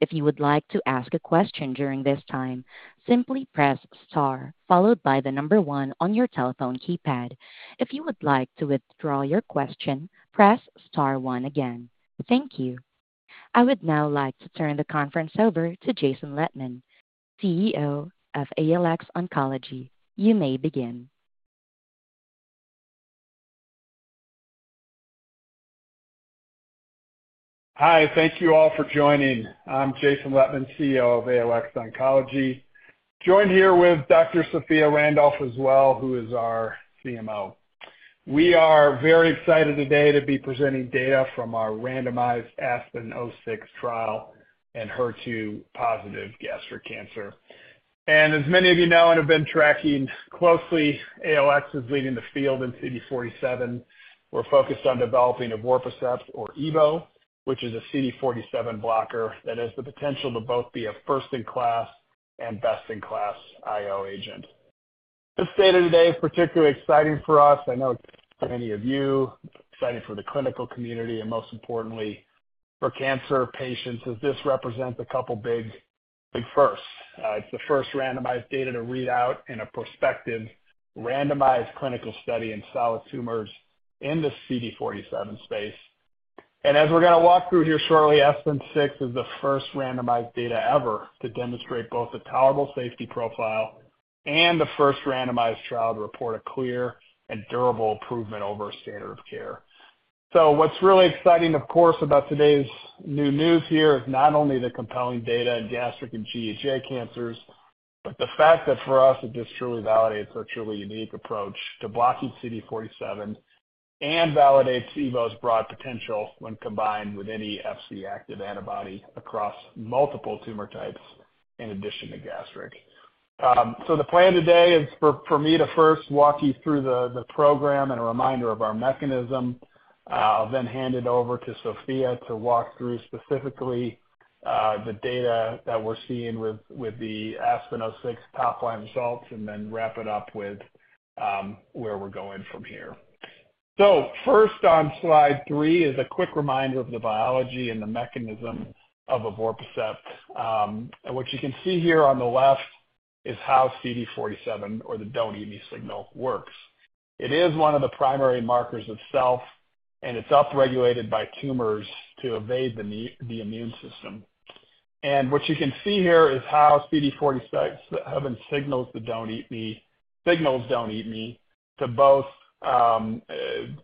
If you would like to ask a question during this time, simply press star followed by the number one on your telephone keypad. If you would like to withdraw your question, press star one again. Thank you. I would now like to turn the conference over to Jason Lettmann, CEO of ALX Oncology. You may begin. Hi. Thank you all for joining. I'm Jason Lettmann, CEO of ALX Oncology. Joined here with Dr. Sophia Randolph as well, who is our CMO. We are very excited today to be presenting data from our randomized ASPEN-06 trial in HER2-positive gastric cancer. And as many of you know and have been tracking closely, ALX is leading the field in CD47. We're focused on developing evorpacept or Evo, which is a CD47 blocker that has the potential to both be a first-in-class and best-in-class IO agent. This data today is particularly exciting for us. I know it's exciting for many of you, exciting for the clinical community, and most importantly, for cancer patients, as this represents a couple of big firsts. It's the first randomized data to read out in a prospective randomized clinical study in solid tumors in the CD47 space. And as we're going to walk through here shortly, Aspen 6 is the first randomized data ever to demonstrate both a tolerable safety profile and the first randomized trial to report a clear and durable improvement over a standard of care. So what's really exciting, of course, about today's new news here is not only the compelling data in gastric and GEJ cancers, but the fact that for us, it just truly validates our truly unique approach to blocking CD47 and validates Evo's broad potential when combined with any Fc-active antibody across multiple tumor types in addition to gastric. So the plan today is for me to first walk you through the program and a reminder of our mechanism. I'll then hand it over to Sophia to walk through specifically the data that we're seeing with the ASPEN-06 top-line results and then wrap it up with where we're going from here. So first on slide 3 is a quick reminder of the biology and the mechanism of evorpacept. What you can see here on the left is how CD47, or the don't-eat-me signal, works. It is one of the primary markers of self, and it's upregulated by tumors to evade the immune system. What you can see here is how CD47 signals don't-eat-me to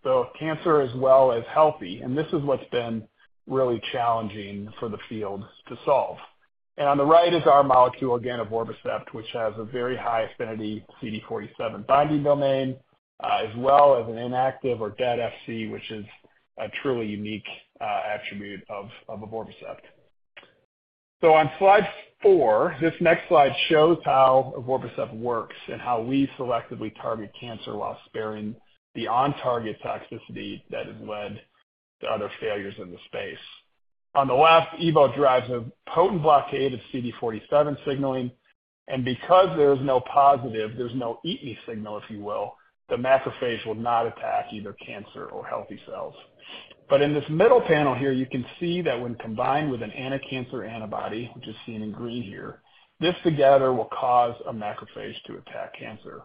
both cancer as well as healthy. This is what's been really challenging for the field to solve. On the right is our molecule again, Evorpacept, which has a very high affinity CD47 binding domain, as well as an inactive or dead Fc, which is a truly unique attribute of Evorpacept. On slide four, this next slide shows how Evorpacept works and how we selectively target cancer while sparing the on-target toxicity that has led to other failures in the space. On the left, Evo drives a potent blockade of CD47 signaling. Because there is no positive, there's no eat-me signal, if you will, the macrophage will not attack either cancer or healthy cells. But in this middle panel here, you can see that when combined with an anticancer antibody, which is seen in green here, this together will cause a macrophage to attack cancer.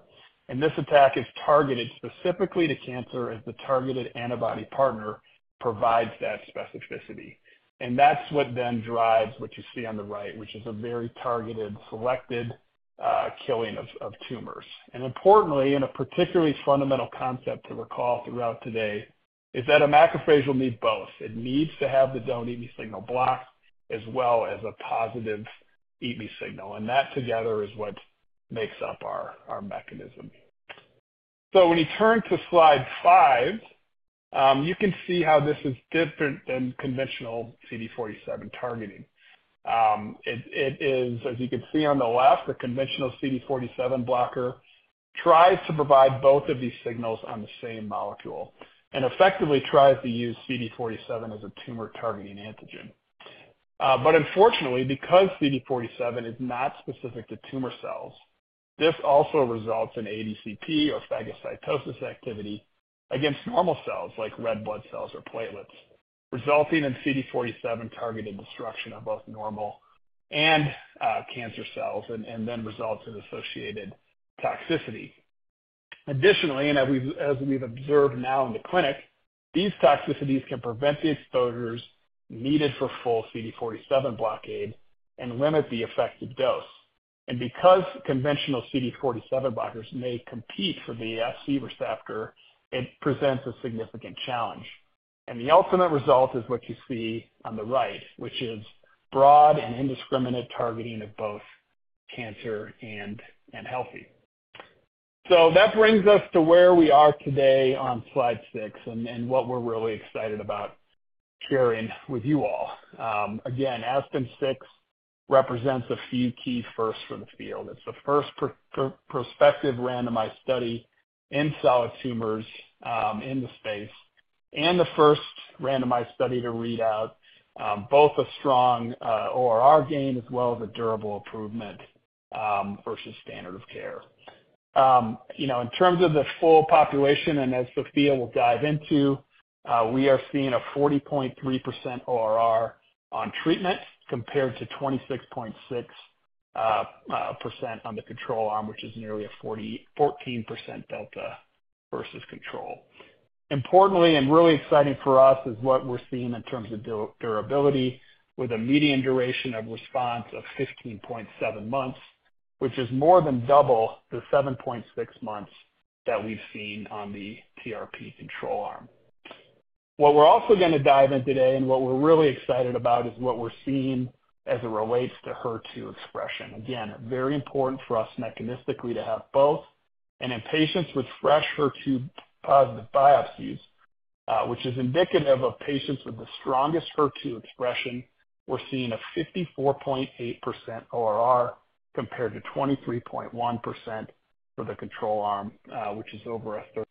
And this attack is targeted specifically to cancer as the targeted antibody partner provides that specificity. And that's what then drives what you see on the right, which is a very targeted, selected killing of tumors. And importantly, and a particularly fundamental concept to recall throughout today is that a macrophage will need both. It needs to have the don't-eat-me signal blocked as well as a positive eat-me signal. And that together is what makes up our mechanism. So when you turn to slide five, you can see how this is different than conventional CD47 targeting. It is, as you can see on the left, the conventional CD47 blocker tries to provide both of these signals on the same molecule and effectively tries to use CD47 as a tumor-targeting antigen. Unfortunately, because CD47 is not specific to tumor cells, this also results in ADCP or phagocytosis activity against normal cells like red blood cells or platelets, resulting in CD47-targeted destruction of both normal and cancer cells and then results in associated toxicity. Additionally, as we've observed now in the clinic, these toxicities can prevent the exposures needed for full CD47 blockade and limit the effective dose. Because conventional CD47 blockers may compete for the Fc receptor, it presents a significant challenge. The ultimate result is what you see on the right, which is broad and indiscriminate targeting of both cancer and healthy. So that brings us to where we are today on slide 6 and what we're really excited about sharing with you all. Again, ASPEN-06 represents a few key firsts for the field. It's the first prospective randomized study in solid tumors in the space and the first randomized study to read out both a strong ORR gain as well as a durable improvement versus standard of care. In terms of the full population, and as Sophia will dive into, we are seeing a 40.3% ORR on treatment compared to 26.6% on the control arm, which is nearly a 14% delta versus control. Importantly and really exciting for us is what we're seeing in terms of durability with a median duration of response of 15.7 months, which is more than double the 7.6 months that we've seen on the RamPac control arm. What we're also going to dive into today and what we're really excited about is what we're seeing as it relates to HER2 expression. Again, very important for us mechanistically to have both. In patients with fresh HER2-positive biopsies, which is indicative of patients with the strongest HER2 expression, we're seeing a 54.8% ORR compared to 23.1% for the control arm, which is over a 30%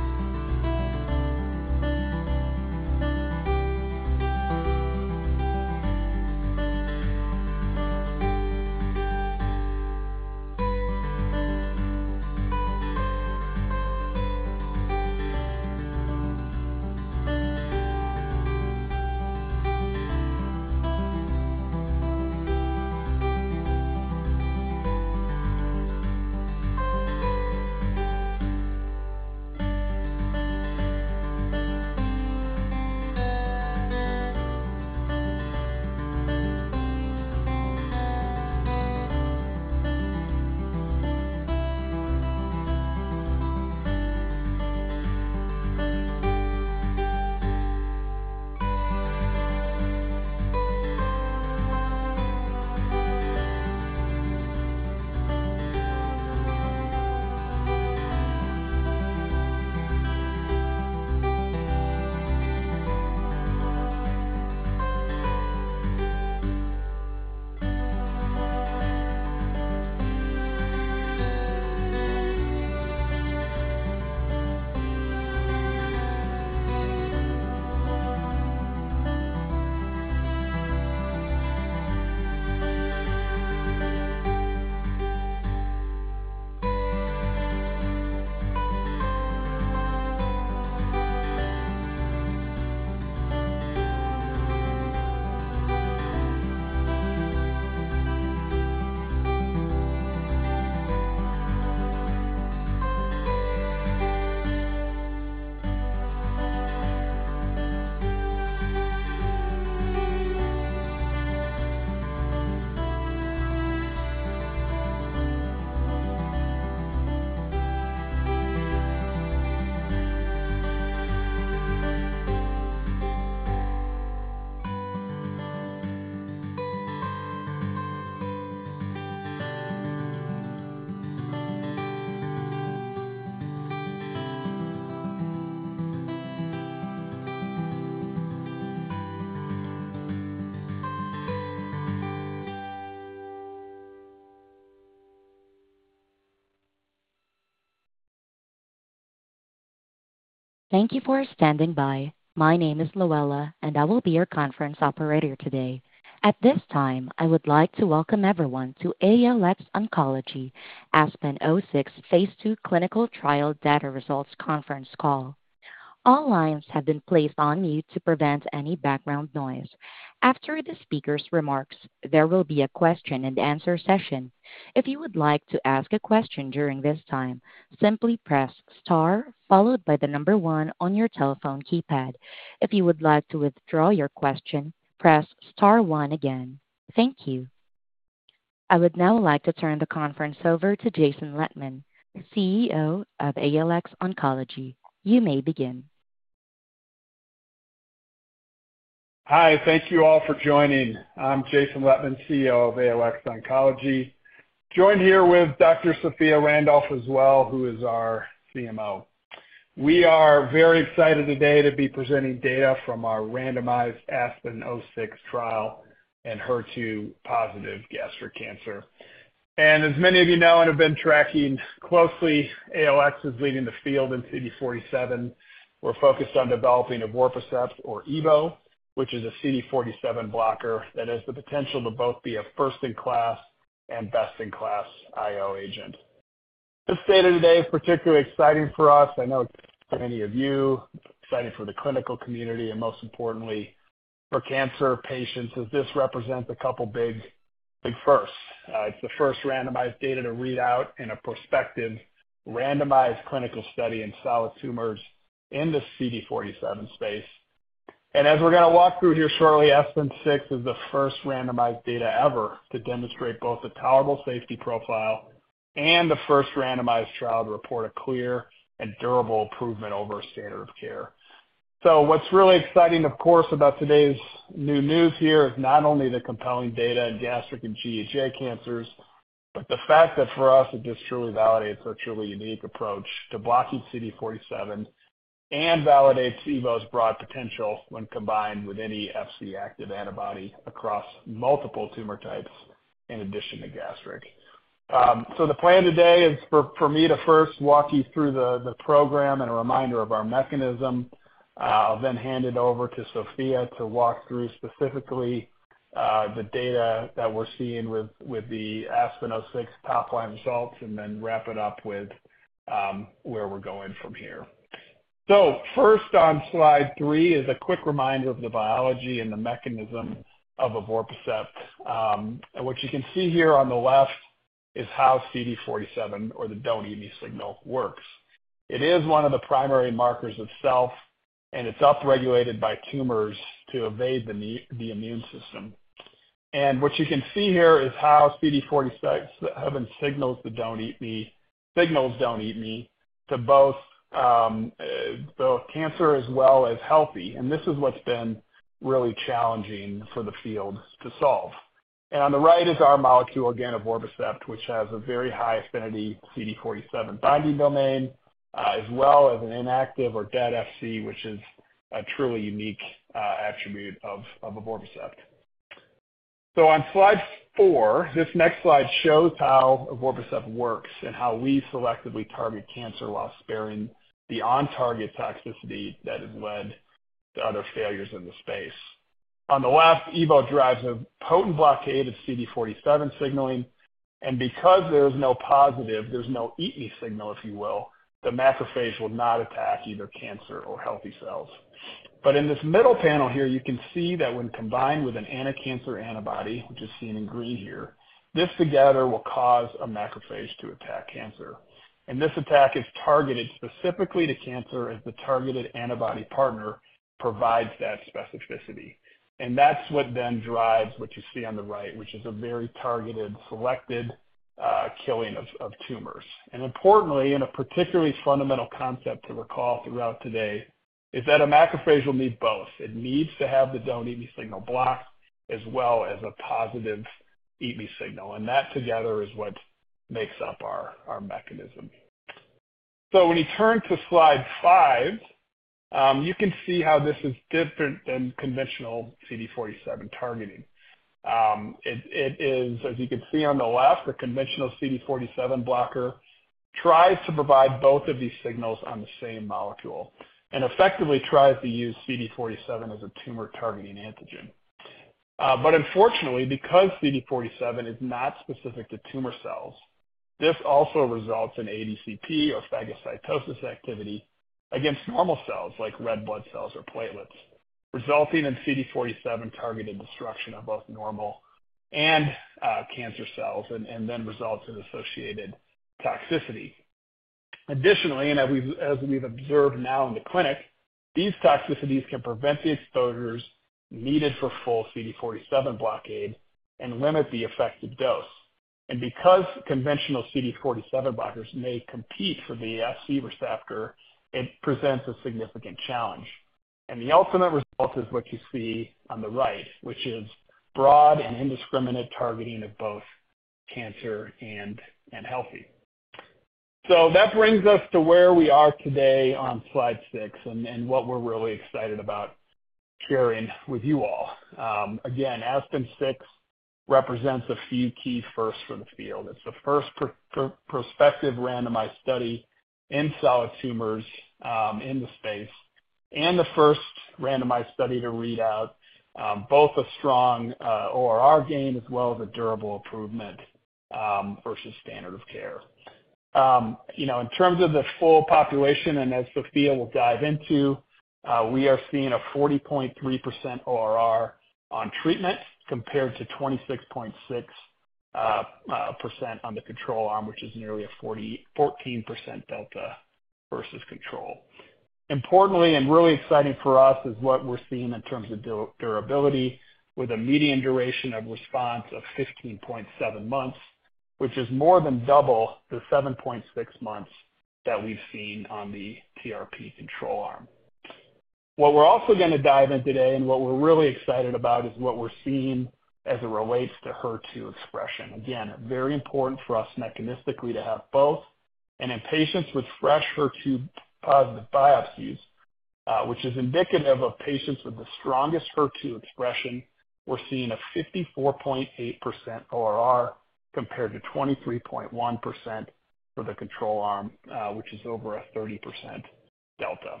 delta.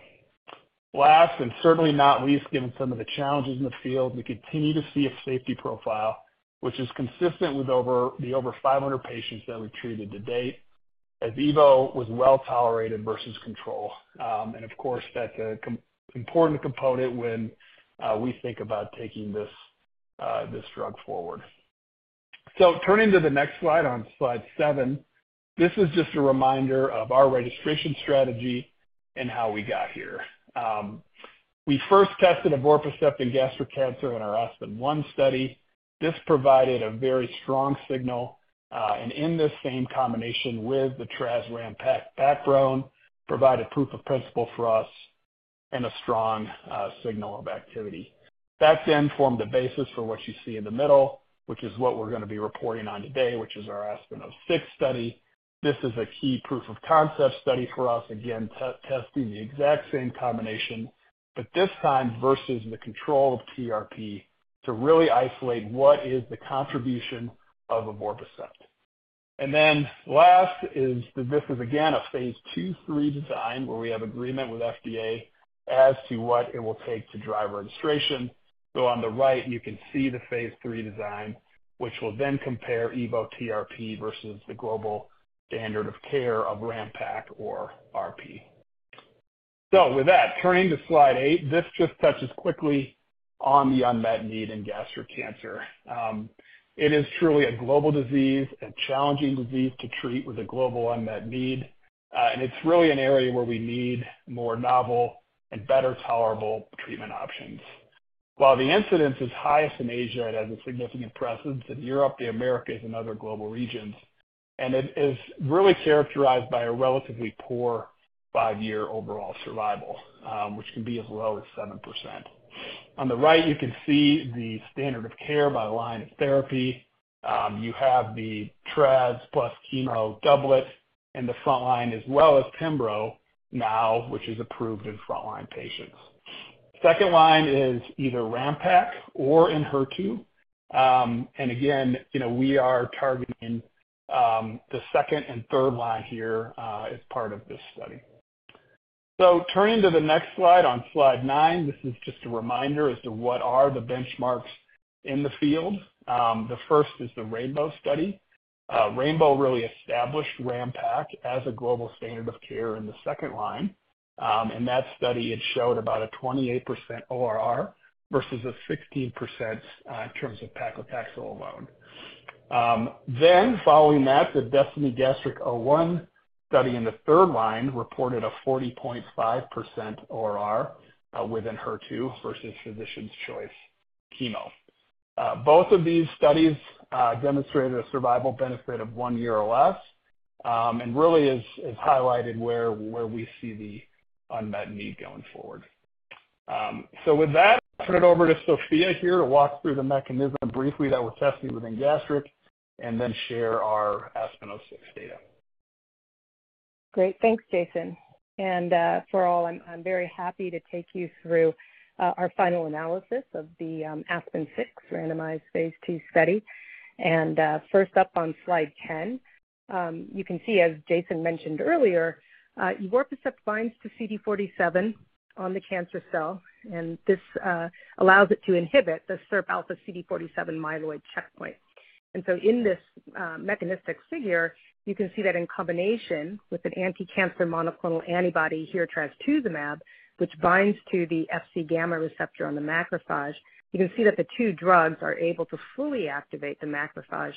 Last, and certainly not least, given some of the challenges in the field, we continue to see a safety profile, which is consistent with the over 500 patients that we've treated to date as Evo was well tolerated versus control. Of course, that's an important component when we think about taking this drug forward. Turning to the next slide on slide 7, this is just a reminder of our registration strategy and how we got here. We first tested evorpacept in gastric cancer in our ASPEN-01 study. This provided a very strong signal. In this same combination with the trastuzumab-RamPac backbone, provided proof of principle for us and a strong signal of activity. That then formed the basis for what you see in the middle, which is what we're going to be reporting on today, which is our ASPEN-06 study. This is a key proof of concept study for us, again, testing the exact same combination, but this time versus the control of trastuzumab-RamPac to really isolate what is the contribution of evorpacept. Then last is that this is again a phase II/III design where we have agreement with FDA as to what it will take to drive registration. On the right, you can see the phase III design, which will then compare Evo TRP versus the global standard of care of RamPac or RP. With that, turning to slide 8, this just touches quickly on the unmet need in gastric cancer. It is truly a global disease, a challenging disease to treat with a global unmet need. It's really an area where we need more novel and better tolerable treatment options. While the incidence is highest in Asia and has a significant presence in Europe, the Americas, and other global regions, and it is really characterized by a relatively poor five-year overall survival, which can be as low as 7%. On the right, you can see the standard of care by line of therapy. You have the trastuzumab plus chemo doublet in the front line, as well as pembro now, which is approved in front-line patients. Second line is either RamPac or in HER2. Again, we are targeting the second and third line here as part of this study. Turning to the next slide on slide nine, this is just a reminder as to what are the benchmarks in the field. The first is the RAINBOW study. RAINBOW really established RamPac as a global standard of care in the second line. In that study, it showed about a 28% ORR versus a 16% in terms of paclitaxel alone. Following that, the DESTINY-Gastric01 study in the third line reported a 40.5% ORR within HER2 versus physician's choice chemo. Both of these studies demonstrated a survival benefit of one year or less and really has highlighted where we see the unmet need going forward. So with that, I'll turn it over to Sophia here to walk through the mechanism briefly that we're testing within gastric and then share our ASPEN-06 data. Great. Thanks, Jason. And for all, I'm very happy to take you through our final analysis of the ASPEN-06 randomized phase II study. And first up on slide 10, you can see, as Jason mentioned earlier, Evorpacept binds to CD47 on the cancer cell. And this allows it to inhibit the SIRP-alpha CD47 myeloid checkpoint. And so in this mechanistic figure, you can see that in combination with an anticancer monoclonal antibody here, trastuzumab, which binds to the Fc gamma receptor on the macrophage, you can see that the two drugs are able to fully activate the macrophage,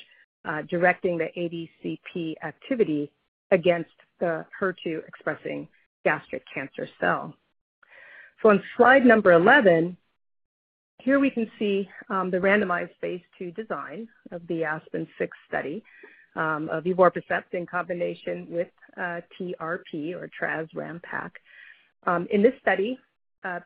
directing the ADCP activity against the HER2-expressing gastric cancer cell. So on slide number 11, here we can see the randomized phase II design of the ASPEN-06 study of evorpacept in combination with TRP or Traz-RamPac. In this study,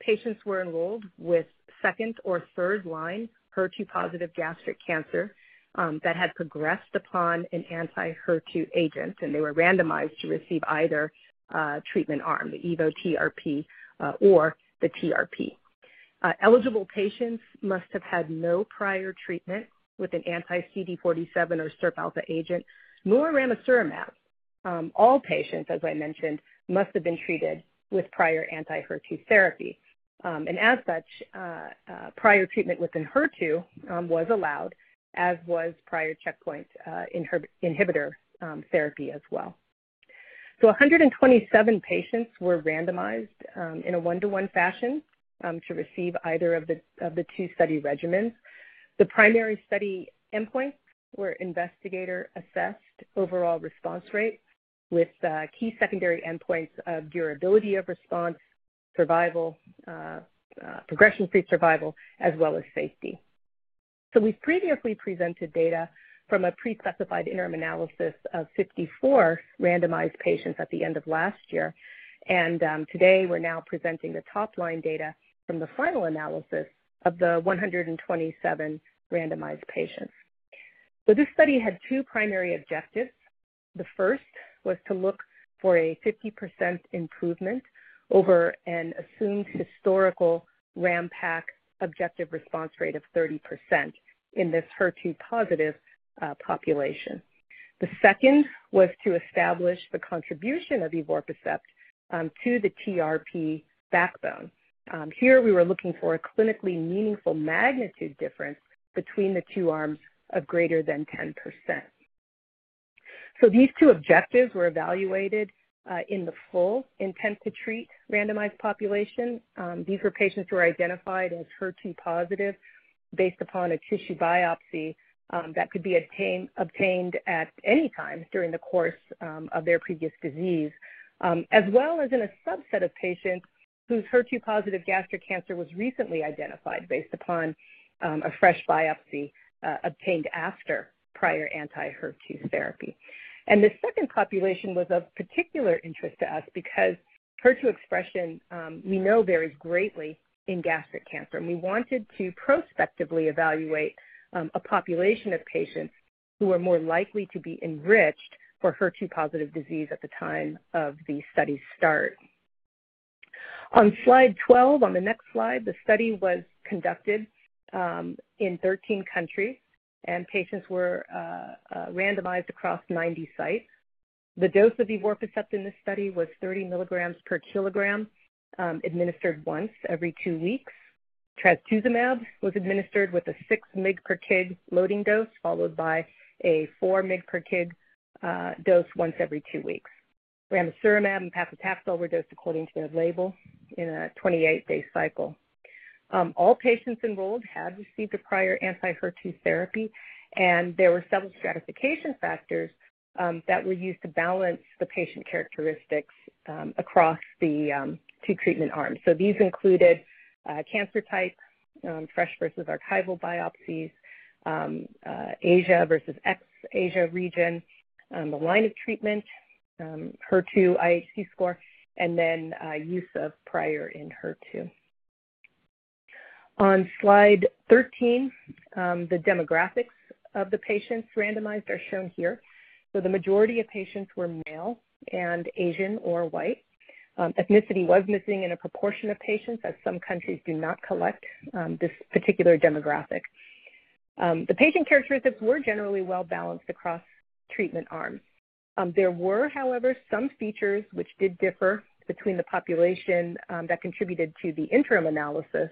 patients were enrolled with second or third line HER2-positive gastric cancer that had progressed upon an anti-HER2 agent. They were randomized to receive either treatment arm, the Evo TRP or the TRP. Eligible patients must have had no prior treatment with an anti-CD47 or SIRP-alpha agent nor ramucirumab. All patients, as I mentioned, must have been treated with prior anti-HER2 therapy. And as such, prior treatment within HER2 was allowed, as was prior checkpoint inhibitor therapy as well. So 127 patients were randomized in a 1:1 fashion to receive either of the two study regimens. The primary study endpoints were investigator-assessed overall response rate with key secondary endpoints of durability of response, progression-free survival, as well as safety. So we've previously presented data from a pre-specified interim analysis of 54 randomized patients at the end of last year. And today, we're now presenting the top-line data from the final analysis of the 127 randomized patients. So this study had two primary objectives. The first was to look for a 50% improvement over an assumed historical RamPac objective response rate of 30% in this HER2-positive population. The second was to establish the contribution of evorpacept to the TRP backbone. Here, we were looking for a clinically meaningful magnitude difference between the two arms of greater than 10%. So these two objectives were evaluated in the full intent to treat randomized population. These were patients who were identified as HER2-positive based upon a tissue biopsy that could be obtained at any time during the course of their previous disease, as well as in a subset of patients whose HER2-positive gastric cancer was recently identified based upon a fresh biopsy obtained after prior anti-HER2 therapy. The second population was of particular interest to us because HER2 expression, we know, varies greatly in gastric cancer. We wanted to prospectively evaluate a population of patients who were more likely to be enriched for HER2-positive disease at the time of the study's start. On slide 12, on the next slide, the study was conducted in 13 countries, and patients were randomized across 90 sites. The dose of evorpacept in this study was 30 mg/kg administered once every two weeks. Trastuzumab was administered with a 6 mg/kg loading dose followed by a 4 mg/kg dose once every two weeks. Ramucirumab and Paclitaxel were dosed according to their label in a 28-day cycle. All patients enrolled had received a prior anti-HER2 therapy, and there were several stratification factors that were used to balance the patient characteristics across the two treatment arms. These included cancer type, fresh versus archival biopsies, Asia versus ex-Asia region, the line of treatment, HER2 IHC score, and then use of prior anti-HER2. On slide 13, the demographics of the patients randomized are shown here. The majority of patients were male and Asian or white. Ethnicity was missing in a proportion of patients, as some countries do not collect this particular demographic. The patient characteristics were generally well balanced across treatment arms. There were, however, some features which did differ between the population that contributed to the interim analysis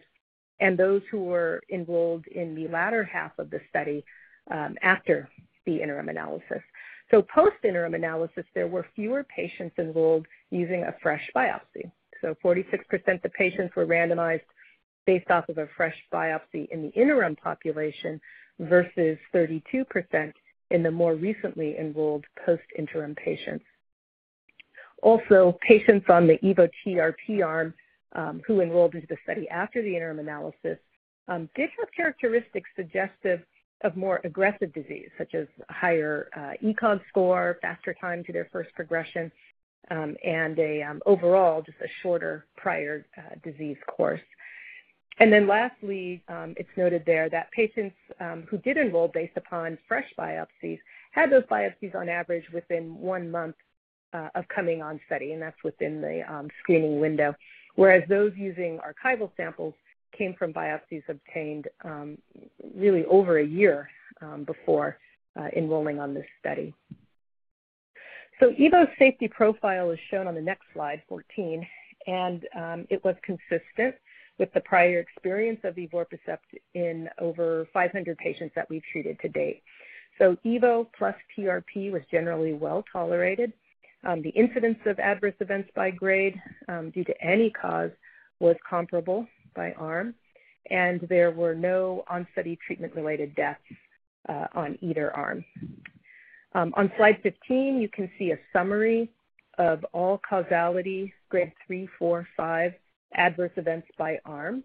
and those who were enrolled in the latter half of the study after the interim analysis. Post-interim analysis, there were fewer patients enrolled using a fresh biopsy. 46% of the patients were randomized based off of a fresh biopsy in the interim population versus 32% in the more recently enrolled post-interim patients. Also, patients on the Evo TRP arm who enrolled into the study after the interim analysis did have characteristics suggestive of more aggressive disease, such as a higher ECOG score, faster time to their first progression, and overall, just a shorter prior disease course. And then lastly, it's noted there that patients who did enroll based upon fresh biopsies had those biopsies on average within one month of coming on study, and that's within the screening window, whereas those using archival samples came from biopsies obtained really over a year before enrolling on this study. Evo's safety profile is shown on the next slide, 14, and it was consistent with the prior experience of evorpacept in over 500 patients that we've treated to date. Evo plus TRP was generally well tolerated. The incidence of adverse events by grade due to any cause was comparable by arm, and there were no on-study treatment-related deaths on either arm. On slide 15, you can see a summary of all causality grade 3, 4, 5 adverse events by arm.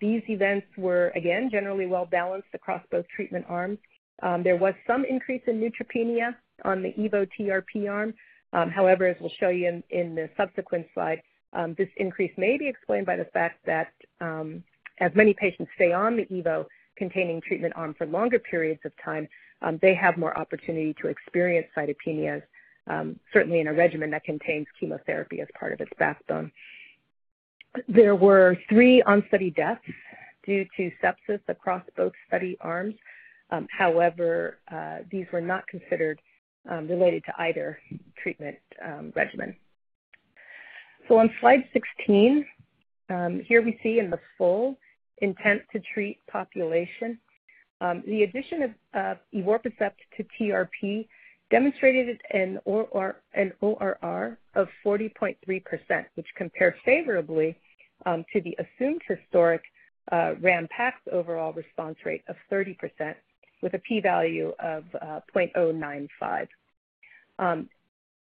These events were, again, generally well balanced across both treatment arms. There was some increase in neutropenia on the Evo TRP arm. However, as we'll show you in the subsequent slide, this increase may be explained by the fact that as many patients stay on the Evo-containing treatment arm for longer periods of time, they have more opportunity to experience cytopenias, certainly in a regimen that contains chemotherapy as part of its backbone. There were 3 on-study deaths due to sepsis across both study arms. However, these were not considered related to either treatment regimen. On slide 16, here we see in the full intent to treat population, the addition of evorpacept to TRP demonstrated an ORR of 40.3%, which compared favorably to the assumed historic RamPac overall response rate of 30% with a p-value of 0.095.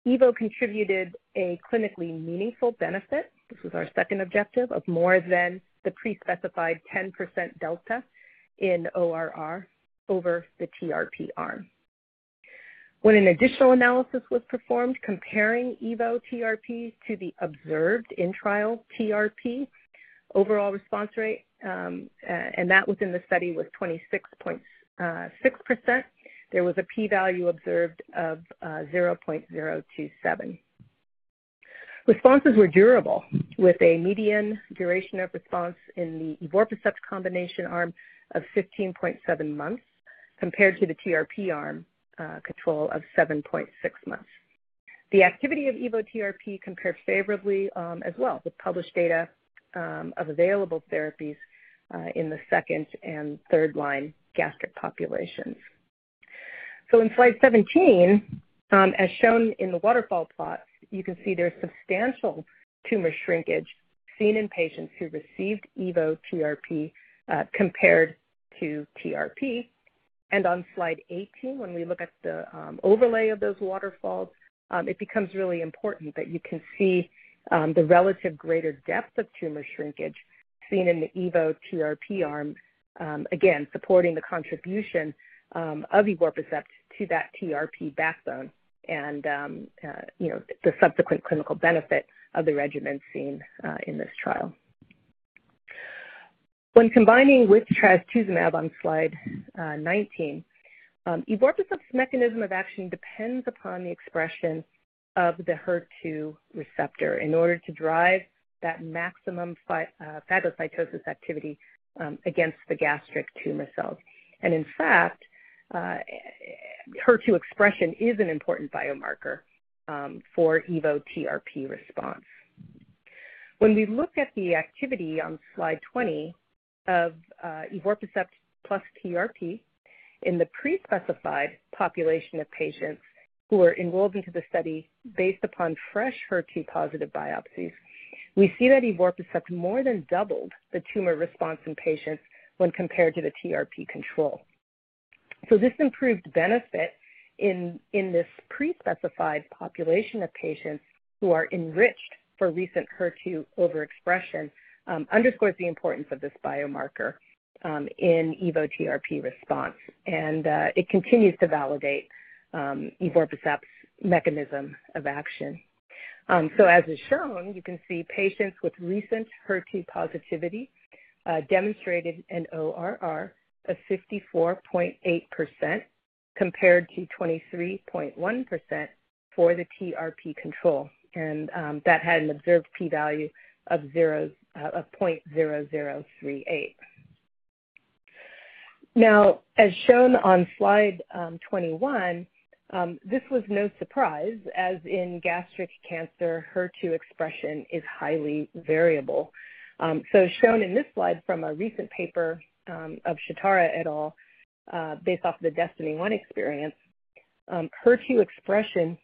Evo contributed a clinically meaningful benefit. This was our secondary objective of more than the pre-specified 10% delta in ORR over the TRP arm. When an additional analysis was performed comparing Evo TRP to the observed control TRP overall response rate, and that within the study was 26.6%, there was a p-value observed of 0.027. Responses were durable with a median duration of response in the Evorpacept combination arm of 15.7 months compared to the TRP arm control of 7.6 months. The activity of Evo TRP compared favorably as well with published data of available therapies in the second- and third-line gastric populations. So in slide 17, as shown in the waterfall plot, you can see there's substantial tumor shrinkage seen in patients who received Evo TRP compared to TRP. On slide 18, when we look at the overlay of those waterfalls, it becomes really important that you can see the relative greater depth of tumor shrinkage seen in the Evo TRP arm, again, supporting the contribution of Evorpacept to that TRP backbone and the subsequent clinical benefit of the regimen seen in this trial. When combining with Trastuzumab on slide 19, Evorpacept's mechanism of action depends upon the expression of the HER2 receptor in order to drive that maximum phagocytosis activity against the gastric tumor cells. In fact, HER2 expression is an important biomarker for Evo TRP response. When we look at the activity on slide 20 of Evorpacept plus TRP in the pre-specified population of patients who were enrolled into the study based upon fresh HER2-positive biopsies, we see that Evorpacept more than doubled the tumor response in patients when compared to the TRP control. This improved benefit in this pre-specified population of patients who are enriched for recent HER2 overexpression underscores the importance of this biomarker in Evo TRP response. It continues to validate evorpacept's mechanism of action. As is shown, you can see patients with recent HER2 positivity demonstrated an ORR of 54.8% compared to 23.1% for the TRP control. That had an observed p-value of 0.0038. Now, as shown on slide 21, this was no surprise, as in gastric cancer, HER2 expression is highly variable. As shown in this slide from a recent paper of Shitara et al. based off of the DESTINY-1 experience, HER2 expression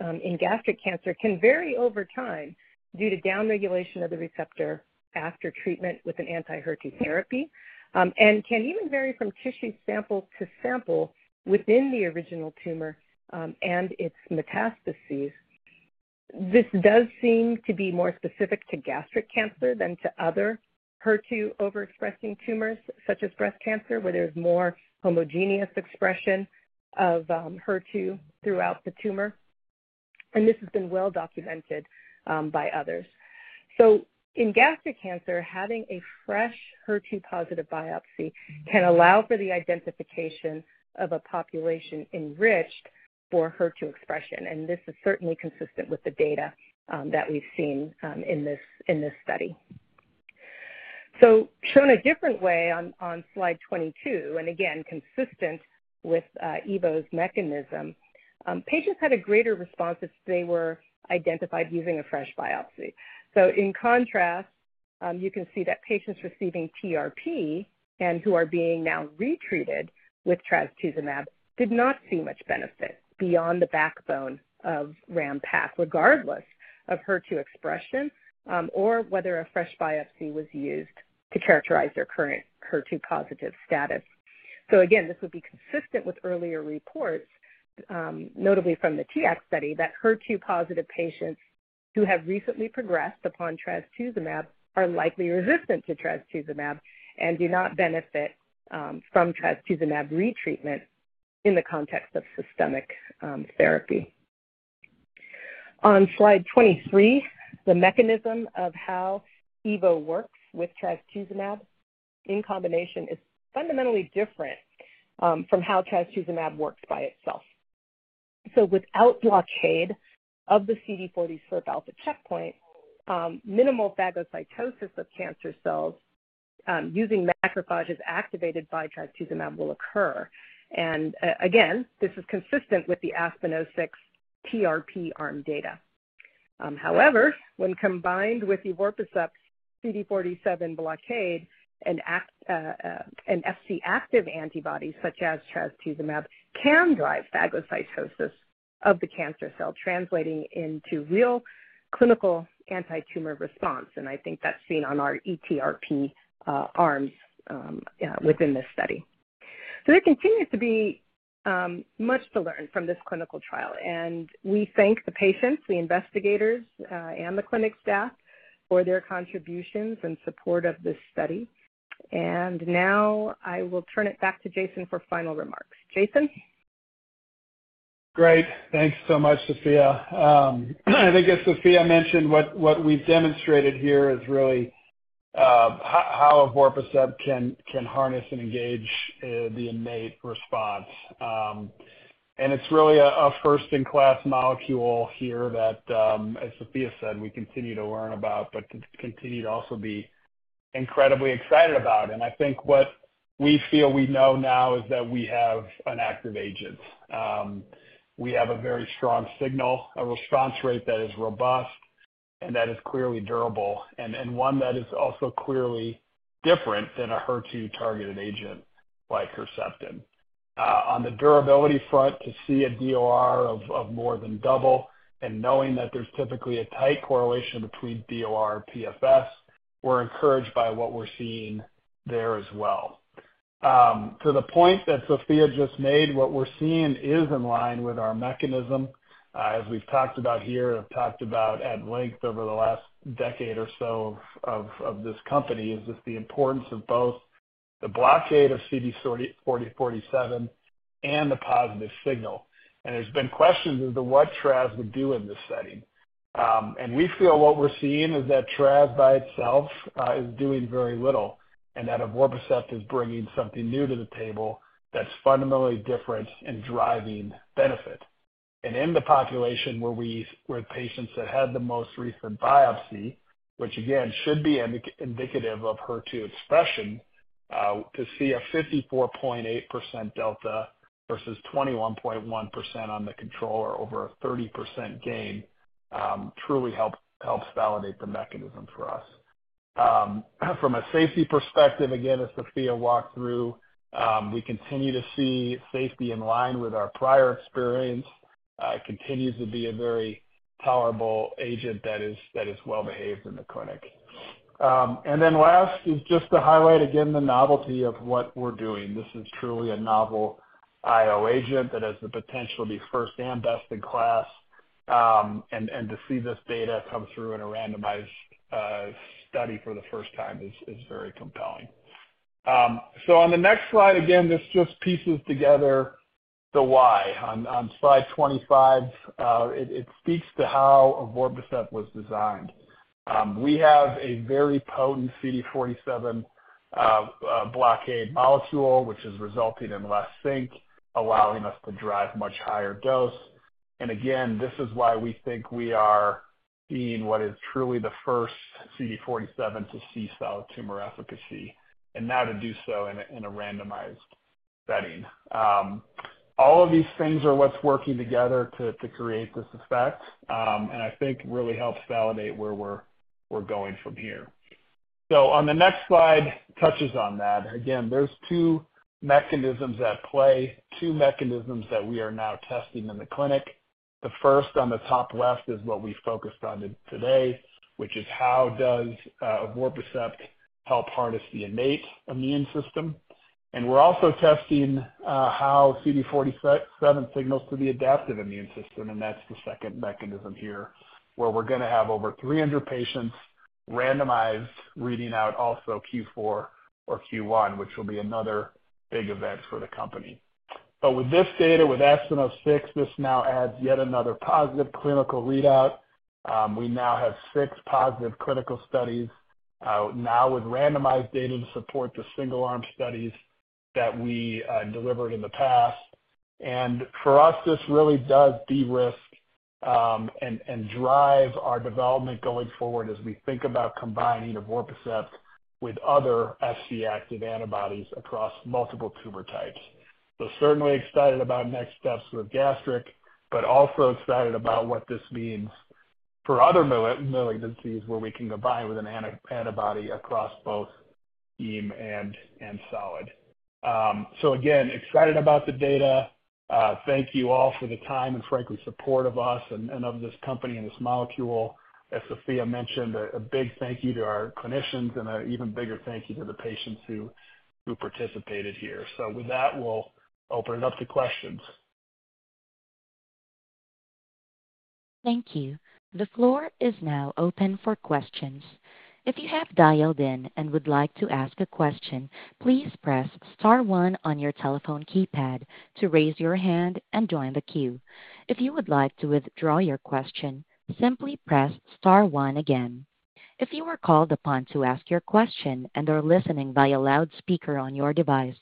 in gastric cancer can vary over time due to downregulation of the receptor after treatment with an anti-HER2 therapy and can even vary from tissue sample to sample within the original tumor and its metastases. This does seem to be more specific to gastric cancer than to other HER2 overexpressing tumors, such as breast cancer, where there's more homogeneous expression of HER2 throughout the tumor. This has been well documented by others. In gastric cancer, having a fresh HER2-positive biopsy can allow for the identification of a population enriched for HER2 expression. This is certainly consistent with the data that we've seen in this study. Shown a different way on slide 22, and again, consistent with Evo's mechanism, patients had a greater response if they were identified using a fresh biopsy. In contrast, you can see that patients receiving TRP and who are being now retreated with trastuzumab did not see much benefit beyond the backbone of RamPac, regardless of HER2 expression or whether a fresh biopsy was used to characterize their current HER2-positive status. So again, this would be consistent with earlier reports, notably from the T-ACT study, that HER2-positive patients who have recently progressed upon trastuzumab are likely resistant to trastuzumab and do not benefit from trastuzumab retreatment in the context of systemic therapy. On slide 23, the mechanism of how Evo works with trastuzumab in combination is fundamentally different from how trastuzumab works by itself. So without blockade of the CD47 SIRP-alpha checkpoint, minimal phagocytosis of cancer cells using macrophages activated by trastuzumab will occur. And again, this is consistent with the ASPEN-06 TRP arm data. However, when combined with evorpacept's CD47 blockade, an Fc-active antibody such as trastuzumab can drive phagocytosis of the cancer cell, translating into real clinical anti-tumor response. And I think that's seen on our ETRP arms within this study. So there continues to be much to learn from this clinical trial. We thank the patients, the investigators, and the clinic staff for their contributions and support of this study. Now I will turn it back to Jason for final remarks. Jason. Great. Thanks so much, Sophia. I think, as Sophia mentioned, what we've demonstrated here is really how evorpacept can harness and engage the innate response. It's really a first-in-class molecule here that, as Sophia said, we continue to learn about, but continue to also be incredibly excited about. I think what we feel we know now is that we have an active agent. We have a very strong signal, a response rate that is robust, and that is clearly durable, and one that is also clearly different than a HER2-targeted agent like Herceptin. On the durability front, to see a DOR of more than double and knowing that there's typically a tight correlation between DOR and PFS, we're encouraged by what we're seeing there as well. To the point that Sophia just made, what we're seeing is in line with our mechanism. As we've talked about here, I've talked about at length over the last decade or so of this company, is just the importance of both the blockade of CD47 and the positive signal. And we feel what we're seeing is that TRAS by itself is doing very little and that Evorpacept is bringing something new to the table that's fundamentally different in driving benefit. In the population where we were patients that had the most recent biopsy, which again should be indicative of HER2 expression, to see a 54.8% delta versus 21.1% on the controller over a 30% gain truly helps validate the mechanism for us. From a safety perspective, again, as Sophia walked through, we continue to see safety in line with our prior experience. It continues to be a very tolerable agent that is well-behaved in the clinic. Then last is just to highlight again the novelty of what we're doing. This is truly a novel IO agent that has the potential to be first and best in class. To see this data come through in a randomized study for the first time is very compelling. On the next slide, again, this just pieces together the why. On slide 25, it speaks to how evorpacept was designed. We have a very potent CD47 blockade molecule, which is resulting in less anemia, allowing us to drive much higher dose. And again, this is why we think we are seeing what is truly the first CD47 to see solid tumor efficacy and now to do so in a randomized setting. All of these things are what's working together to create this effect, and I think really helps validate where we're going from here. So on the next slide touches on that. Again, there's two mechanisms at play, two mechanisms that we are now testing in the clinic. The first on the top left is what we focused on today, which is how does evorpacept help harness the innate immune system. And we're also testing how CD47 signals to the adaptive immune system. That's the second mechanism here where we're going to have over 300 patients randomized reading out also Q4 or Q1, which will be another big event for the company. But with this data, with ASPEN-06, this now adds yet another positive clinical readout. We now have 6 positive clinical studies, now with randomized data to support the single-arm studies that we delivered in the past. And for us, this really does de-risk and drive our development going forward as we think about combining evorpacept with other Fc-active antibodies across multiple tumor types. So certainly excited about next steps with gastric, but also excited about what this means for other malignancies where we can combine with an antibody across both heme and solid. So again, excited about the data. Thank you all for the time and frankly support of us and of this company and this molecule. As Sophia mentioned, a big thank you to our clinicians and an even bigger thank you to the patients who participated here. So with that, we'll open it up to questions. Thank you. The floor is now open for questions. If you have dialed in and would like to ask a question, please press star one on your telephone keypad to raise your hand and join the queue. If you would like to withdraw your question, simply press star one again. If you are called upon to ask your question and are listening via loudspeaker on your device,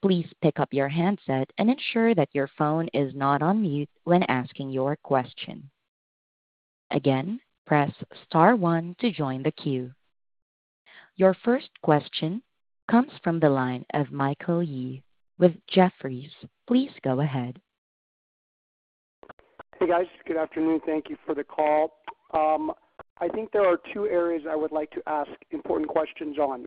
please pick up your handset and ensure that your phone is not on mute when asking your question. Again, press star one to join the queue. Your first question comes from the line of Michael Yee with Jefferies. Please go ahead. Hey, guys. Good afternoon. Thank you for the call. I think there are two areas I would like to ask important questions on.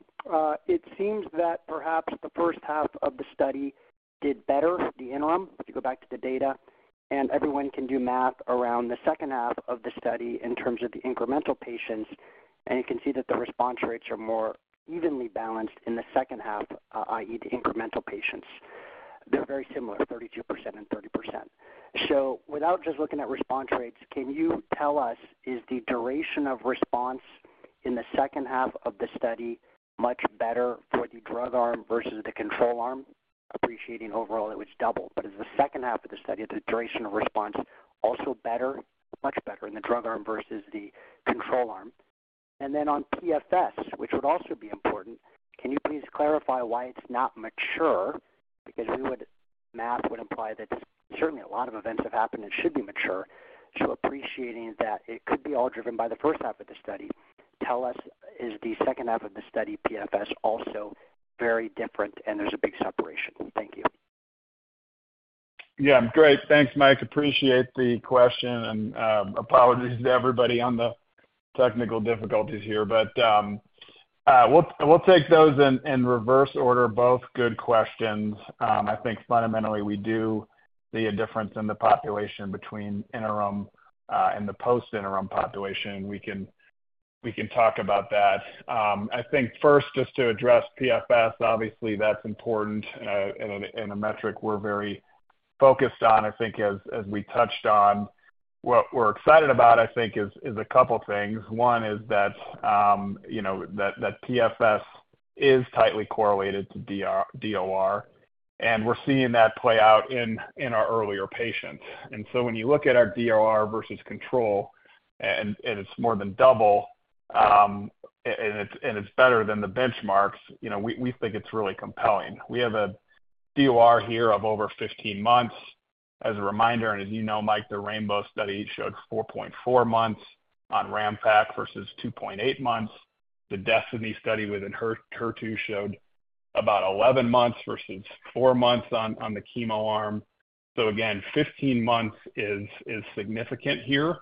It seems that perhaps the first half of the study did better for the interim if you go back to the data. And everyone can do math around the second half of the study in terms of the incremental patients. And you can see that the response rates are more evenly balanced in the second half, i.e., the incremental patients. They're very similar, 32% and 30%. So without just looking at response rates, can you tell us, is the duration of response in the second half of the study much better for the drug arm versus the control arm? Appreciating overall it was double. But is the second half of the study, the duration of response, also better, much better in the drug arm versus the control arm? And then on PFS, which would also be important, can you please clarify why it's not mature? Because math would imply that certainly a lot of events have happened and should be mature. So appreciating that it could be all driven by the first half of the study, tell us, is the second half of the study, PFS, also very different and there's a big separation? Thank you. Yeah. Great. Thanks, Mike. Appreciate the question. And apologies to everybody on the technical difficulties here. But we'll take those in reverse order, both good questions. I think fundamentally we do see a difference in the population between interim and the post-interim population. We can talk about that. I think first, just to address PFS, obviously that's important and a metric we're very focused on. I think as we touched on, what we're excited about, I think, is a couple of things. One is that PFS is tightly correlated to DOR. And we're seeing that play out in our earlier patients. And so when you look at our DOR versus control, and it's more than double, and it's better than the benchmarks, we think it's really compelling. We have a DOR here of over 15 months. As a reminder, and as you know, Mike, the RAINBOW study showed 4.4 months on RamPac versus 2.8 months. The DESTINY study within HER2 showed about 11 months versus 4 months on the chemo arm. So again, 15 months is significant here.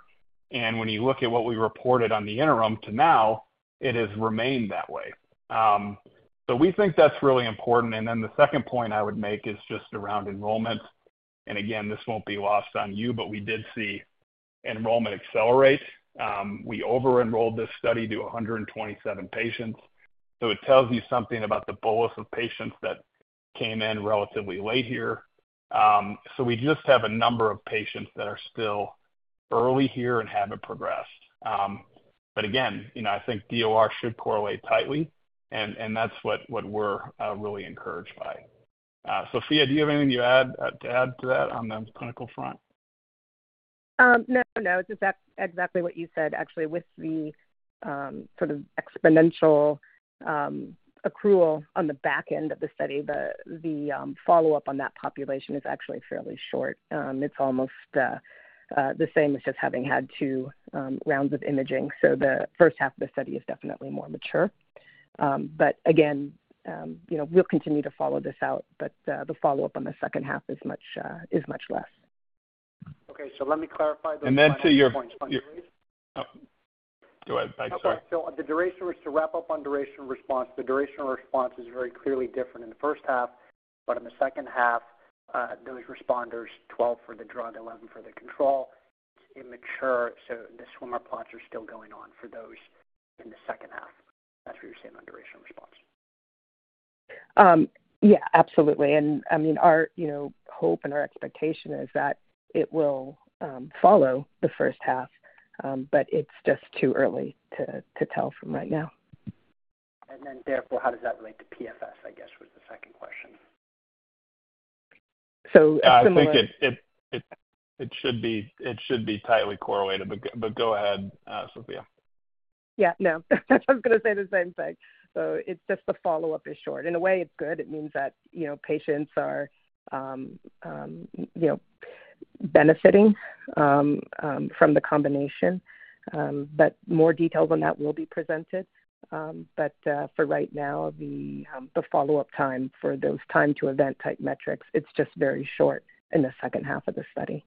And when you look at what we reported on the interim to now, it has remained that way. So we think that's really important. And then the second point I would make is just around enrollment. And again, this won't be lost on you, but we did see enrollment accelerate. We over-enrolled this study to 127 patients. So it tells you something about the bolus of patients that came in relatively late here. So we just have a number of patients that are still early here and haven't progressed. But again, I think DOR should correlate tightly. And that's what we're really encouraged by. Sophia, do you have anything you add to that on the clinical front? No, no. It's exactly what you said. Actually, with the sort of exponential accrual on the back end of the study, the follow-up on that population is actually fairly short. It's almost the same as just having had two rounds of imaging. So the first half of the study is definitely more mature. But again, we'll continue to follow this out. But the follow-up on the second half is much less. Okay. So let me clarify the. And then to your. Response rate. Go ahead. Thanks. Okay. So the duration was to wrap up on duration response. The duration response is very clearly different in the first half. But in the second half, those responders, 12 for the drug, 11 for the control, it's immature. So the swimmer plots are still going on for those in the second half. That's what you're seeing on duration response. Yeah. Absolutely. And I mean, our hope and our expectation is that it will follow the first half. But it's just too early to tell from right now. Then therefore, how does that relate to PFS, I guess, was the second question. So similar. I think it should be tightly correlated. But go ahead, Sophia. Yeah. No. I was going to say the same thing. So it's just the follow-up is short. In a way, it's good. It means that patients are benefiting from the combination. But more details on that will be presented. But for right now, the follow-up time for those time-to-event type metrics, it's just very short in the second half of the study.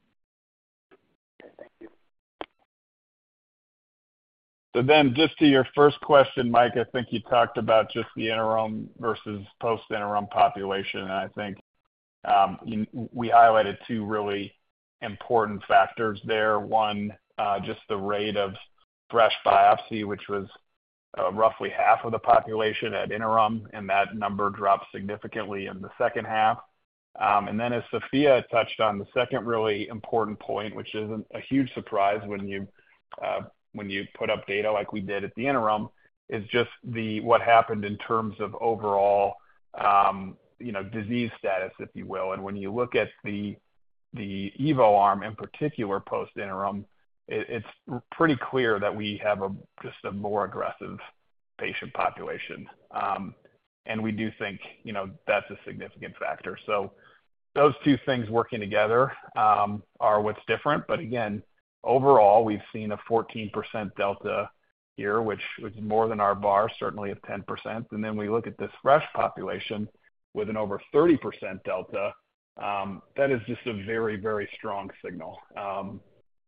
Okay. Thank you. So then, just to your first question, Mike, I think you talked about just the interim versus post-interim population. I think we highlighted two really important factors there. One, just the rate of fresh biopsy, which was roughly half of the population at interim. That number dropped significantly in the second half. Then, as Sophia touched on, the second really important point, which isn't a huge surprise when you put up data like we did at the interim, is just what happened in terms of overall disease status, if you will. When you look at the Evo arm in particular post-interim, it's pretty clear that we have just a more aggressive patient population. We do think that's a significant factor. So those two things working together are what's different. But again, overall, we've seen a 14% delta here, which is more than our bar, certainly of 10%. And then we look at this fresh population with an over 30% delta. That is just a very, very strong signal.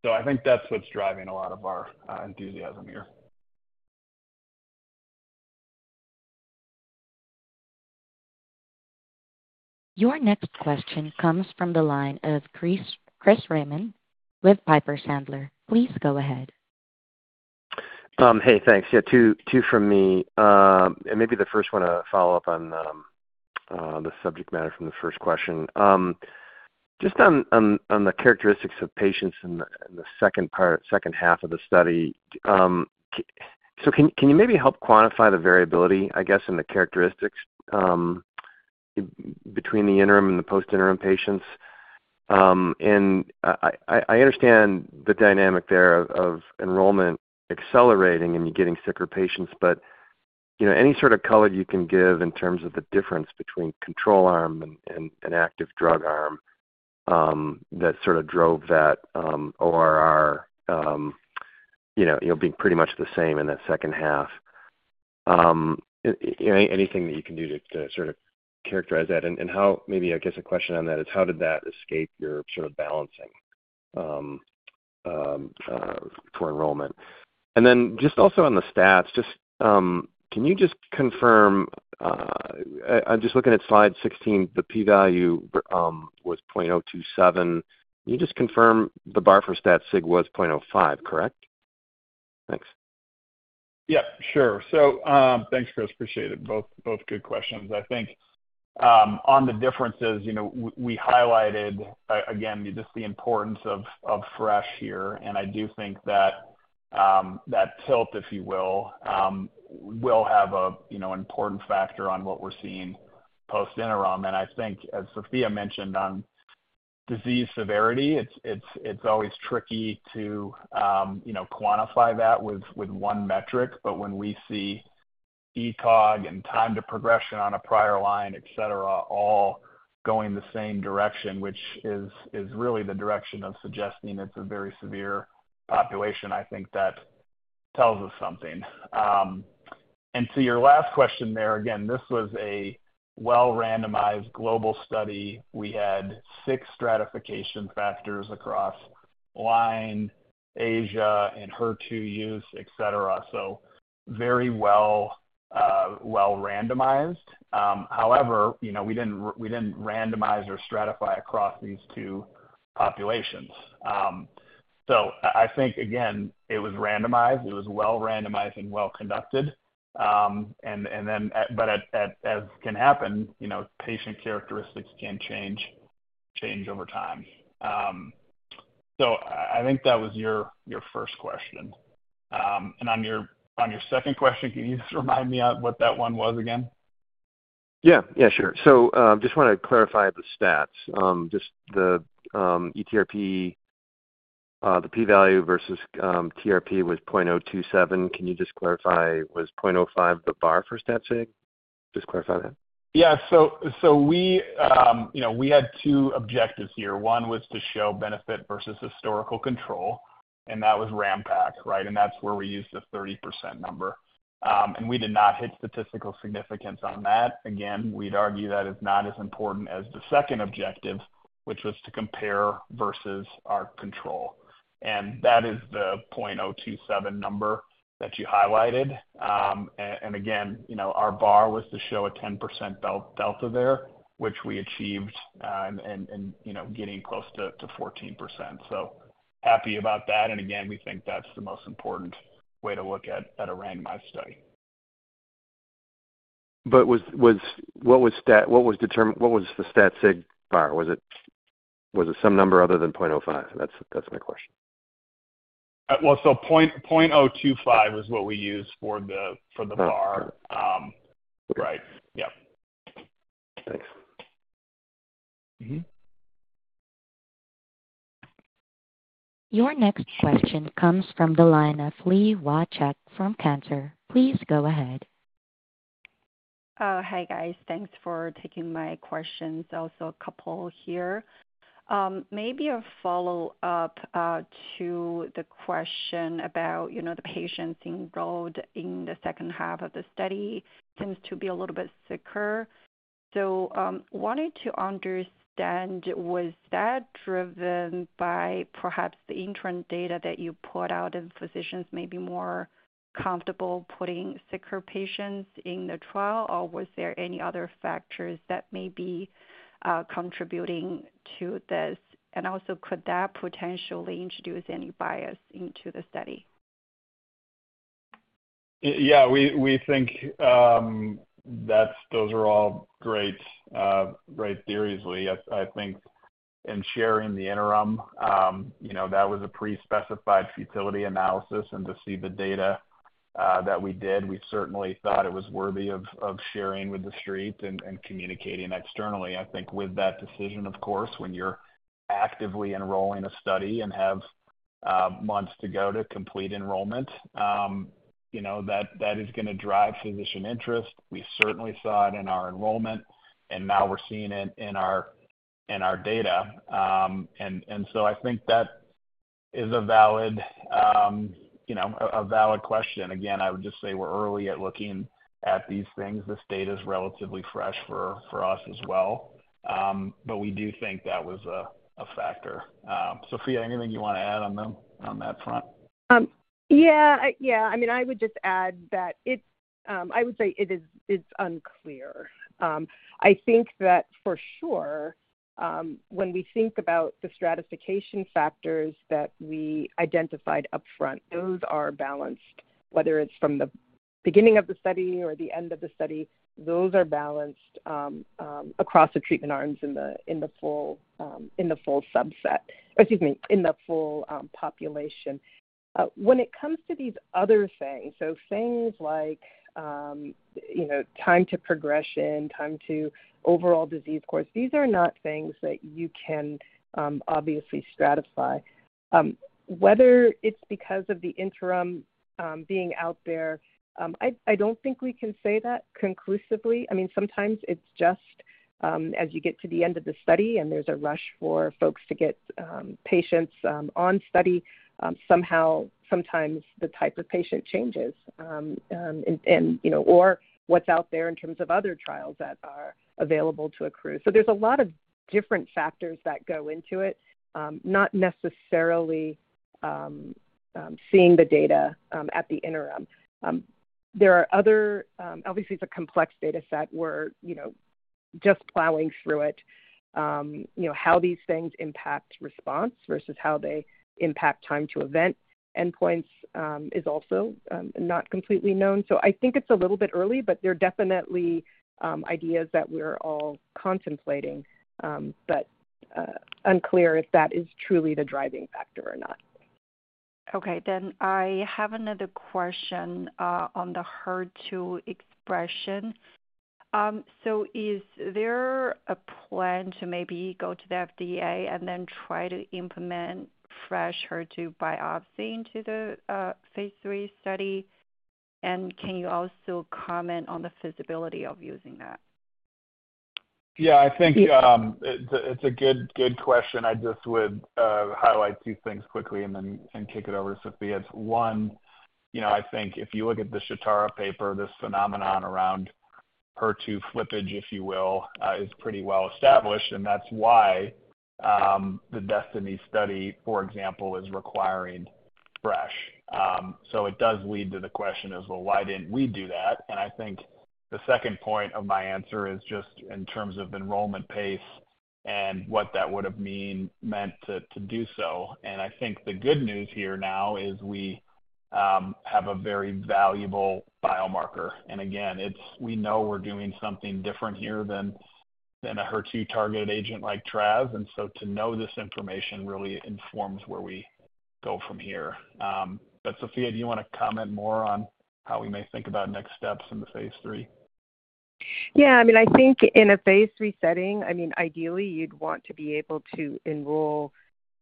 So I think that's what's driving a lot of our enthusiasm here. Your next question comes from the line of Chris Raymond with Piper Sandler. Please go ahead. Hey, thanks. Yeah, two from me. Maybe the first one to follow up on the subject matter from the first question. Just on the characteristics of patients in the second half of the study. So can you maybe help quantify the variability, I guess, in the characteristics between the interim and the post-interim patients? I understand the dynamic there of enrollment accelerating and you getting sicker patients. But any sort of color you can give in terms of the difference between control arm and active drug arm that sort of drove that ORR being pretty much the same in the second half. Anything that you can do to sort of characterize that? Maybe, I guess, a question on that is how did that escape your sort of balancing for enrollment? Then just also on the stats, can you just confirm? I'm just looking at slide 16. The p-value was 0.027. Can you just confirm the bar for stat sig was 0.05, correct? Thanks. Yeah. Sure. So thanks, Chris. Appreciate it. Both good questions. I think on the differences, we highlighted, again, just the importance of fresh here. And I do think that tilt, if you will, will have an important factor on what we're seeing post-interim. And I think, as Sophia mentioned, on disease severity, it's always tricky to quantify that with one metric. But when we see ECOG and time-to-progression on a prior line, etc., all going the same direction, which is really the direction of suggesting it's a very severe population, I think that tells us something. And to your last question there, again, this was a well-randomized global study. We had six stratification factors across line, Asia, and HER2 use, etc. So very well-randomized. However, we didn't randomize or stratify across these two populations. So I think, again, it was randomized. It was well-randomized and well-conducted. As can happen, patient characteristics can change over time. I think that was your first question. On your second question, can you just remind me what that one was again? Yeah. Yeah. Sure. So I just want to clarify the stats. Just the ETRP, the p-value versus TRP was 0.027. Can you just clarify, was 0.05 the bar for stat sig? Just clarify that. Yeah. So we had two objectives here. One was to show benefit versus historical control. And that was RamPac, right? And that's where we used the 30% number. And we did not hit statistical significance on that. Again, we'd argue that is not as important as the second objective, which was to compare versus our control. And that is the 0.027 number that you highlighted. And again, our bar was to show a 10% delta there, which we achieved in getting close to 14%. So happy about that. And again, we think that's the most important way to look at a randomized study. But what was the stat sig bar? Was it some number other than 0.05? That's my question. Well, so 0.025 was what we used for the bar. Right. Yeah. Thanks. Your next question comes from the line of Li Watsek from Cantor. Please go ahead. Hi, guys. Thanks for taking my questions. Also, a couple here. Maybe a follow-up to the question about the patients enrolled in the second half of the study tends to be a little bit sicker. So, wanted to understand, was that driven by perhaps the interim data that you put out and physicians may be more comfortable putting sicker patients in the trial? Or was there any other factors that may be contributing to this? And also, could that potentially introduce any bias into the study? Yeah. We think those are all great theories, Li. I think. And sharing the interim, that was a pre-specified futility analysis. And to see the data that we did, we certainly thought it was worthy of sharing with the street and communicating externally. I think with that decision, of course, when you're actively enrolling a study and have months to go to complete enrollment, that is going to drive physician interest. We certainly saw it in our enrollment. And now we're seeing it in our data. And so I think that is a valid question. Again, I would just say we're early at looking at these things. This data is relatively fresh for us as well. But we do think that was a factor. Sophia, anything you want to add on that front? Yeah. Yeah. I mean, I would just add that I would say it is unclear. I think that for sure, when we think about the stratification factors that we identified upfront, those are balanced, whether it's from the beginning of the study or the end of the study. Those are balanced across the treatment arms in the full subset or excuse me, in the full population. When it comes to these other things, so things like time-to-progression, time-to-overall disease course, these are not things that you can obviously stratify. Whether it's because of the interim being out there, I don't think we can say that conclusively. I mean, sometimes it's just as you get to the end of the study and there's a rush for folks to get patients on study, somehow sometimes the type of patient changes or what's out there in terms of other trials that are available to accrue. So there's a lot of different factors that go into it, not necessarily seeing the data at the interim. There are other, obviously, it's a complex data set. We're just plowing through it. How these things impact response versus how they impact time-to-event endpoints is also not completely known. So I think it's a little bit early, but there are definitely ideas that we're all contemplating. But unclear if that is truly the driving factor or not. Okay. I have another question on the HER2 expression. Is there a plan to maybe go to the FDA and then try to implement fresh HER2 biopsy into the phase III study? Can you also comment on the feasibility of using that? Yeah. I think it's a good question. I just would highlight two things quickly and then kick it over to Sophia. One, I think if you look at the Shitara paper, this phenomenon around HER2 flippage, if you will, is pretty well established. And that's why the DESTINY study, for example, is requiring fresh. So it does lead to the question as well, why didn't we do that? And I think the second point of my answer is just in terms of enrollment pace and what that would have meant to do so. And I think the good news here now is we have a very valuable biomarker. And again, we know we're doing something different here than a HER2-targeted agent like Traz. And so to know this information really informs where we go from here. Sophia, do you want to comment more on how we may think about next steps in the phase III? Yeah. I mean, I think in a phase III setting, I mean, ideally, you'd want to be able to enroll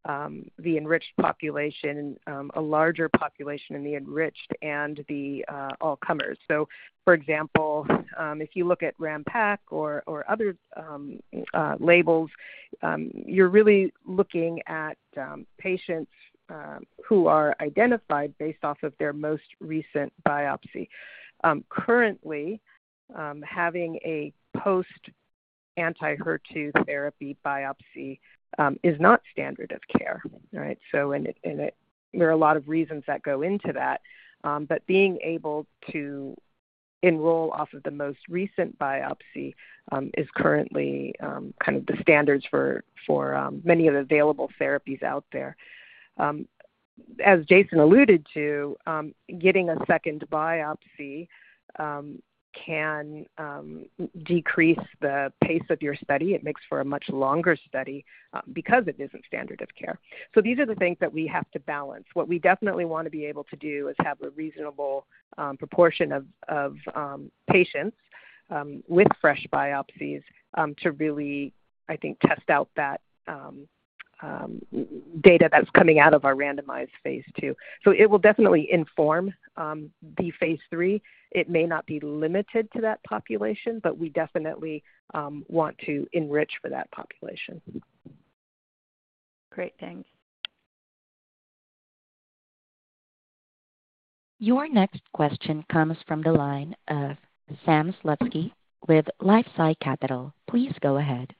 the enriched population, a larger population in the enriched and the all-comers. So for example, if you look at RamPac or other labels, you're really looking at patients who are identified based off of their most recent biopsy. Currently, having a post-anti-HER2 therapy biopsy is not standard of care, right? So there are a lot of reasons that go into that. But being able to enroll off of the most recent biopsy is currently kind of the standard for many of the available therapies out there. As Jason alluded to, getting a second biopsy can decrease the pace of your study. It makes for a much longer study because it isn't standard of care. So these are the things that we have to balance. What we definitely want to be able to do is have a reasonable proportion of patients with fresh biopsies to really, I think, test out that data that's coming out of our randomized phase II. It will definitely inform the phase III. It may not be limited to that population, but we definitely want to enrich for that population. Great. Thanks. Your next question comes from the line of Sam Slutsky with LifeSci Capital. Please go ahead.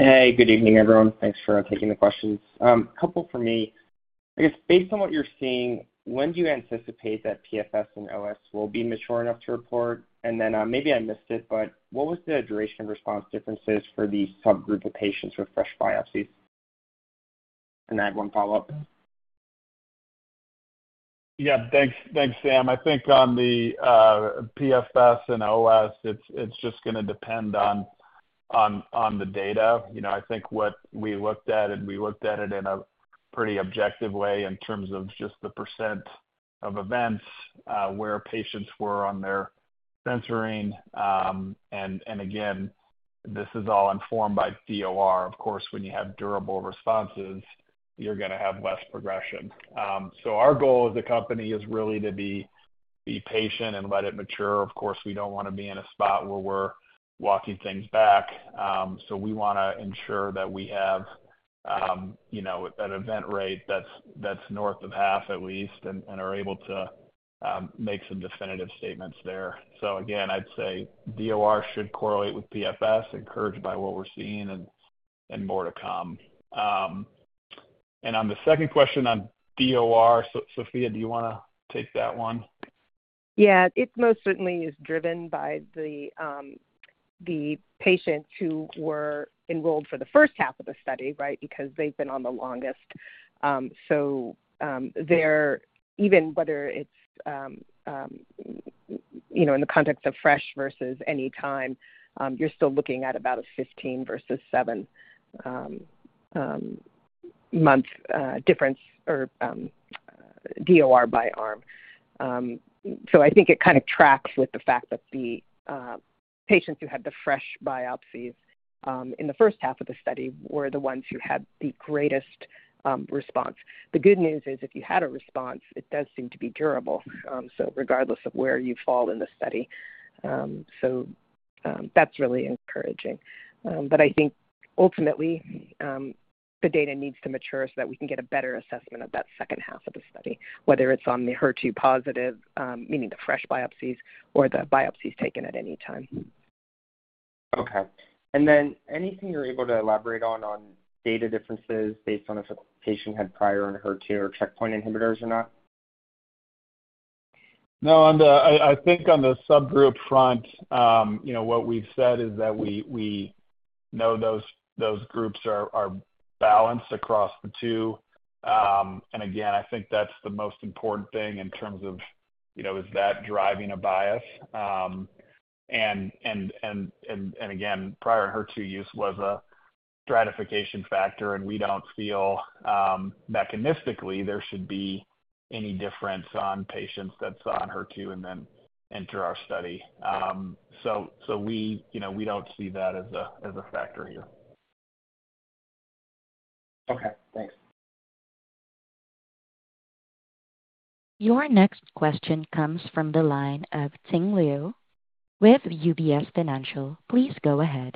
Hey, good evening, everyone. Thanks for taking the questions. A couple for me. I guess based on what you're seeing, when do you anticipate that PFS and OS will be mature enough to report? And then maybe I missed it, but what was the duration of response differences for the subgroup of patients with fresh biopsies? And I have one follow-up. Yeah. Thanks, Sam. I think on the PFS and OS, it's just going to depend on the data. I think what we looked at, and we looked at it in a pretty objective way in terms of just the percent of events where patients were on their censoring. And again, this is all informed by DOR. Of course, when you have durable responses, you're going to have less progression. So our goal as a company is really to be patient and let it mature. Of course, we don't want to be in a spot where we're walking things back. So we want to ensure that we have an event rate that's north of half at least and are able to make some definitive statements there. So again, I'd say DOR should correlate with PFS, encouraged by what we're seeing and more to come. On the second question on DOR, Sophia, do you want to take that one? Yeah. It most certainly is driven by the patients who were enrolled for the first half of the study, right, because they've been on the longest. So even whether it's in the context of fresh versus any time, you're still looking at about a 15- vs. 7-month difference or DOR by arm. So I think it kind of tracks with the fact that the patients who had the fresh biopsies in the first half of the study were the ones who had the greatest response. The good news is if you had a response, it does seem to be durable, so regardless of where you fall in the study. So that's really encouraging. But I think ultimately, the data needs to mature so that we can get a better assessment of that second half of the study, whether it's on the HER2 positive, meaning the fresh biopsies, or the biopsies taken at any time. Okay. And then anything you're able to elaborate on data differences based on if a patient had prior on HER2 or checkpoint inhibitors or not? No. I think on the subgroup front, what we've said is that we know those groups are balanced across the two. And again, I think that's the most important thing in terms of, is that driving a bias? And again, prior HER2 use was a stratification factor, and we don't feel mechanistically there should be any difference on patients that saw HER2 and then enter our study. So we don't see that as a factor here. Okay. Thanks. Your next question comes from the line of Ting Liu with UBS Financial Services. Please go ahead.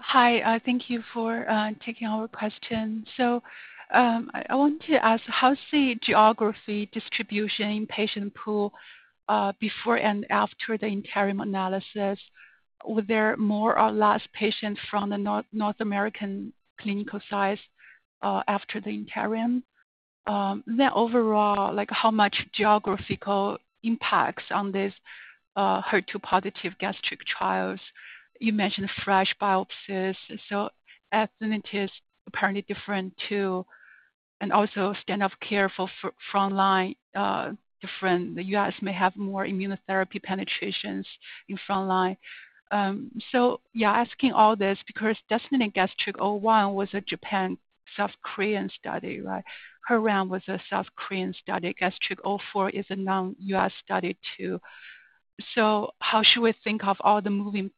Hi. Thank you for taking our question. So I want to ask, how's the geographic distribution in patient pool before and after the interim analysis? Were there more or less patients from the North American clinical sites after the interim? Then overall, how much geographical impacts on these HER2-positive gastric trials? You mentioned fresh biopsies. So ethnicity is apparently different too. And also standard of care for frontline, different. The U.S. may have more immunotherapy penetrations in frontline. So yeah, asking all this because DESTINY-Gastric01 was a Japan-South Korean study, right? HER-RAM was a South Korean study. DESTINY-Gastric04 is a non-U.S. study too. So how should we think of all the moving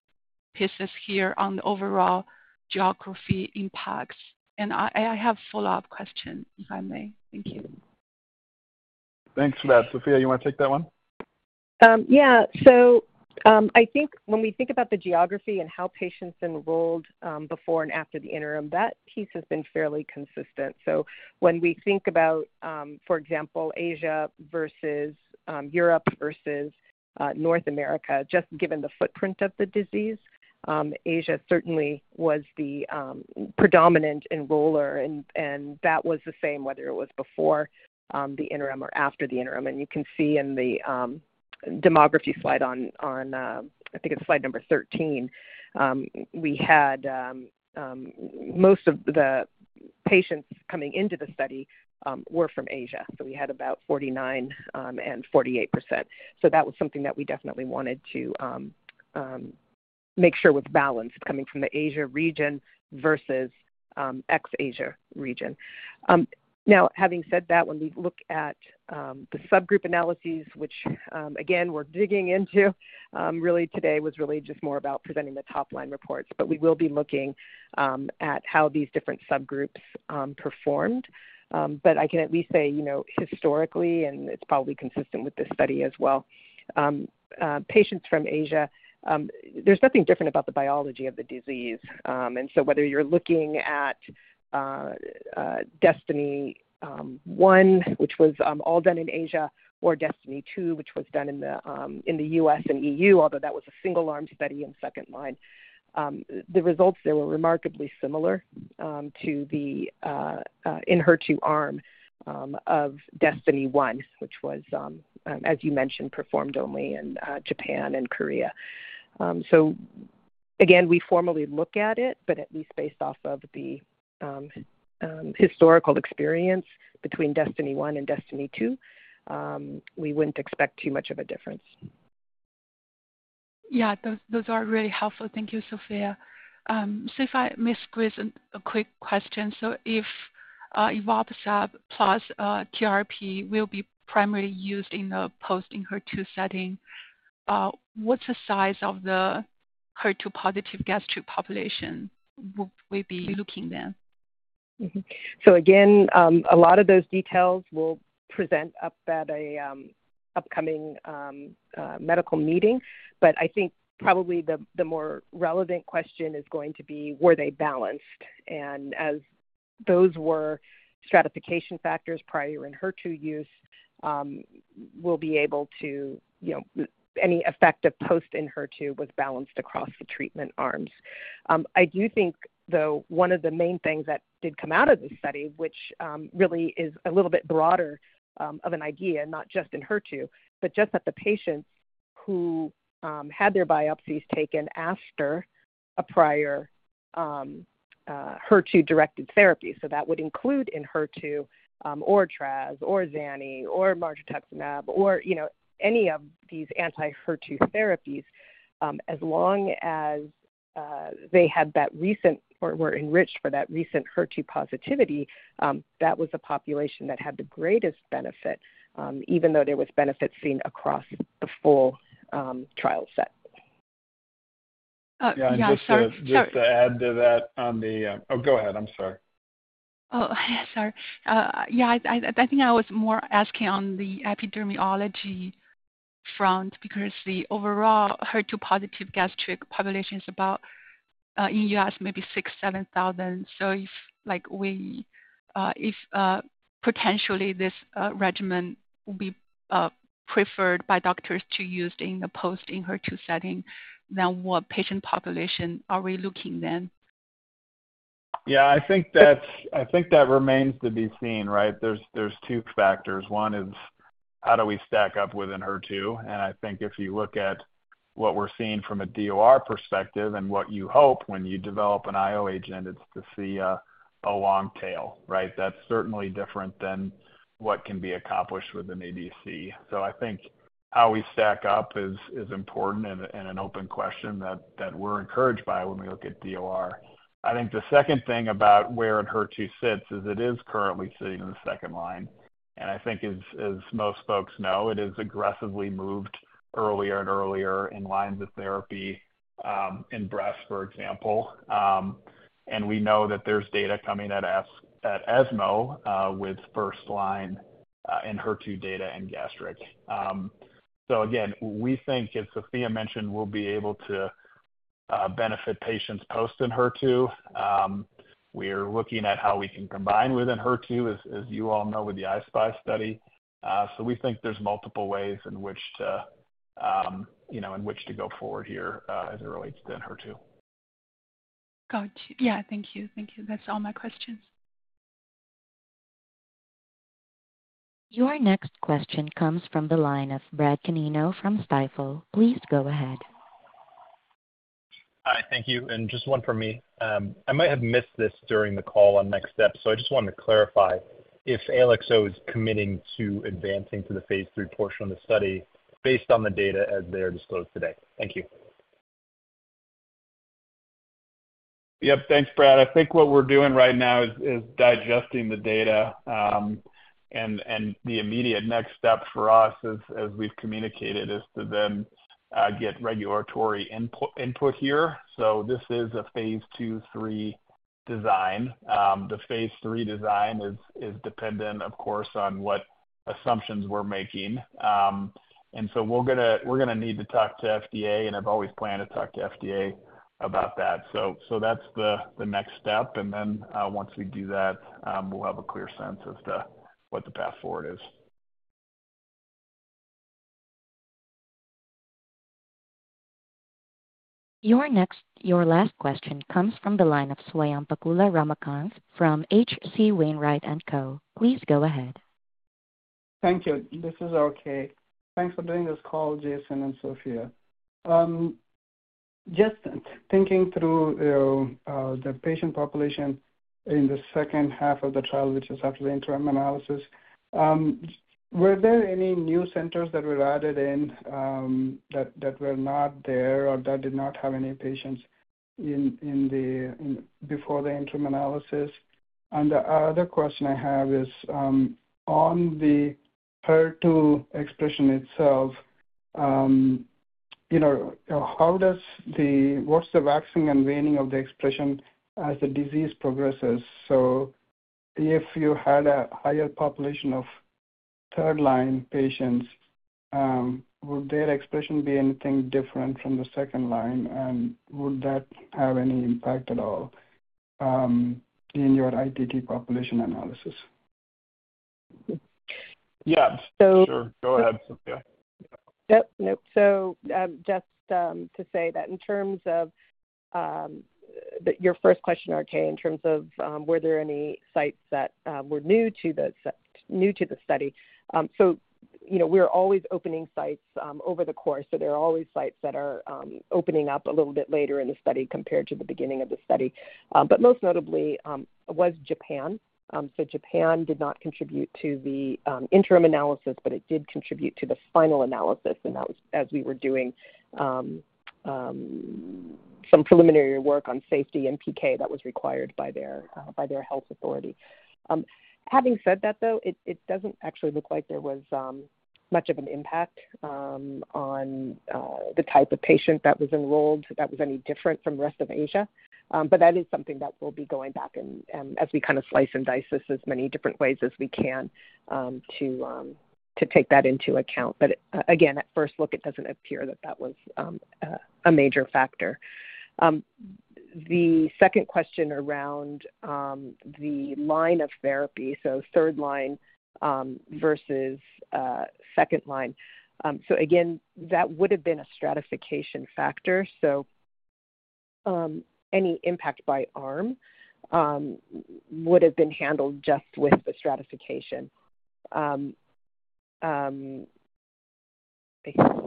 pieces here on the overall geographic impacts? And I have a follow-up question, if I may. Thank you. Thanks for that. Sophia, you want to take that one? Yeah. So I think when we think about the geography and how patients enrolled before and after the interim, that piece has been fairly consistent. So when we think about, for example, Asia versus Europe versus North America, just given the footprint of the disease, Asia certainly was the predominant enroller. And that was the same whether it was before the interim or after the interim. And you can see in the demographics slide on, I think it's slide number 13, we had most of the patients coming into the study were from Asia. So we had about 49% and 48%. So that was something that we definitely wanted to make sure was balanced coming from the Asia region versus ex-Asia region. Now, having said that, when we look at the subgroup analyses, which again, we're digging into really today was really just more about presenting the top-line reports. But we will be looking at how these different subgroups performed. I can at least say historically, and it's probably consistent with this study as well, patients from Asia, there's nothing different about the biology of the disease. And so whether you're looking at DESTINY-1, which was all done in Asia, or DESTINY-2, which was done in the U.S. and E.U., although that was a single-arm study in second line, the results there were remarkably similar to the Enhertu arm of DESTINY-1, which was, as you mentioned, performed only in Japan and Korea. So again, we formally look at it, but at least based off of the historical experience between DESTINY-1 and DESTINY-2, we wouldn't expect too much of a difference. Yeah. Those are really helpful. Thank you, Sophia. So if I may squeeze a quick question. So if evorpacept plus TRP will be primarily used in the post anti-HER2 setting, what's the size of the HER2-positive gastric population we'll be looking then? So again, a lot of those details will be presented at an upcoming medical meeting. But I think probably the more relevant question is going to be, were they balanced? And as those were stratification factors prior anti-HER2 use, we'll be able to see any effect of post-anti-HER2 was balanced across the treatment arms. I do think, though, one of the main things that did come out of this study, which really is a little bit broader of an idea, not just in HER2, but just that the patients who had their biopsies taken after a prior HER2-directed therapy—so that would include Enhertu or trastuzumab or Zanidatamab or margetuximab or any of these anti-HER2 therapies—as long as they had that recent or were enriched for that recent HER2 positivity, that was the population that had the greatest benefit, even though there was benefit seen across the full trial set. Yeah. And just to add to that on the. Oh, go ahead. I'm sorry. Oh, sorry. Yeah. I think I was more asking on the epidemiology front because the overall HER2-positive gastric population is about, in U.S., maybe 6,000, 7,000. So if potentially this regimen will be preferred by doctors to use in the post-HER2 setting, then what patient population are we looking then? Yeah. I think that remains to be seen, right? There's two factors. One is how do we stack up within HER2? And I think if you look at what we're seeing from a DOR perspective and what you hope when you develop an IO agent, it's to see a long tail, right? That's certainly different than what can be accomplished with an ADC. So I think how we stack up is important and an open question that we're encouraged by when we look at DOR. I think the second thing about where in HER2 sits is it is currently sitting in the second line. And I think, as most folks know, it has aggressively moved earlier and earlier in lines of therapy in breast, for example. And we know that there's data coming at ESMO with first-line in HER2 data in gastric. So again, we think, as Sophia mentioned, we'll be able to benefit patients post-in-HER2. We are looking at how we can combine within HER2, as you all know, with the I-SPY study. So we think there's multiple ways in which to go forward here as it relates to in HER2. Gotcha. Yeah. Thank you. Thank you. That's all my questions. Your next question comes from the line of Brad Canino from Stifel. Please go ahead. Hi. Thank you. And just one for me. I might have missed this during the call on next steps. So I just wanted to clarify if ALX Oncology is committing to advancing to the phase III portion of the study based on the data as they are disclosed today. Thank you. Yep. Thanks, Brad. I think what we're doing right now is digesting the data. And the immediate next step for us, as we've communicated, is to then get regulatory input here. So this is a phase II/III design. The phase III design is dependent, of course, on what assumptions we're making. And so we're going to need to talk to FDA, and I've always planned to talk to FDA about that. So that's the next step. And then once we do that, we'll have a clear sense as to what the path forward is. Your last question comes from the line of Swayampakula Ramakanth from H.C. Wainwright & Co. Please go ahead. Thank you. This is okay. Thanks for doing this call, Jason and Sophia. Just thinking through the patient population in the second half of the trial, which is after the interim analysis, were there any new centers that were added in that were not there or that did not have any patients before the interim analysis? And the other question I have is, on the HER2 expression itself, how does the - what's the waxing and waning of the expression as the disease progresses? So if you had a higher population of third-line patients, would their expression be anything different from the second line? And would that have any impact at all in your ITT population analysis? Yeah. So. Sure. Go ahead, Sophia. Yep. Nope. Just to say that in terms of your first question, okay, in terms of were there any sites that were new to the study? We're always opening sites over the course. There are always sites that are opening up a little bit later in the study compared to the beginning of the study. But most notably was Japan. Japan did not contribute to the interim analysis, but it did contribute to the final analysis. That was as we were doing some preliminary work on safety and PK that was required by their health authority. Having said that, though, it doesn't actually look like there was much of an impact on the type of patient that was enrolled that was any different from the rest of Asia. But that is something that we'll be going back and, as we kind of slice and dice this as many different ways as we can to take that into account. But again, at first look, it doesn't appear that that was a major factor. The second question around the line of therapy, so third line versus second line. So again, that would have been a stratification factor. So any impact by arm would have been handled just with the stratification. I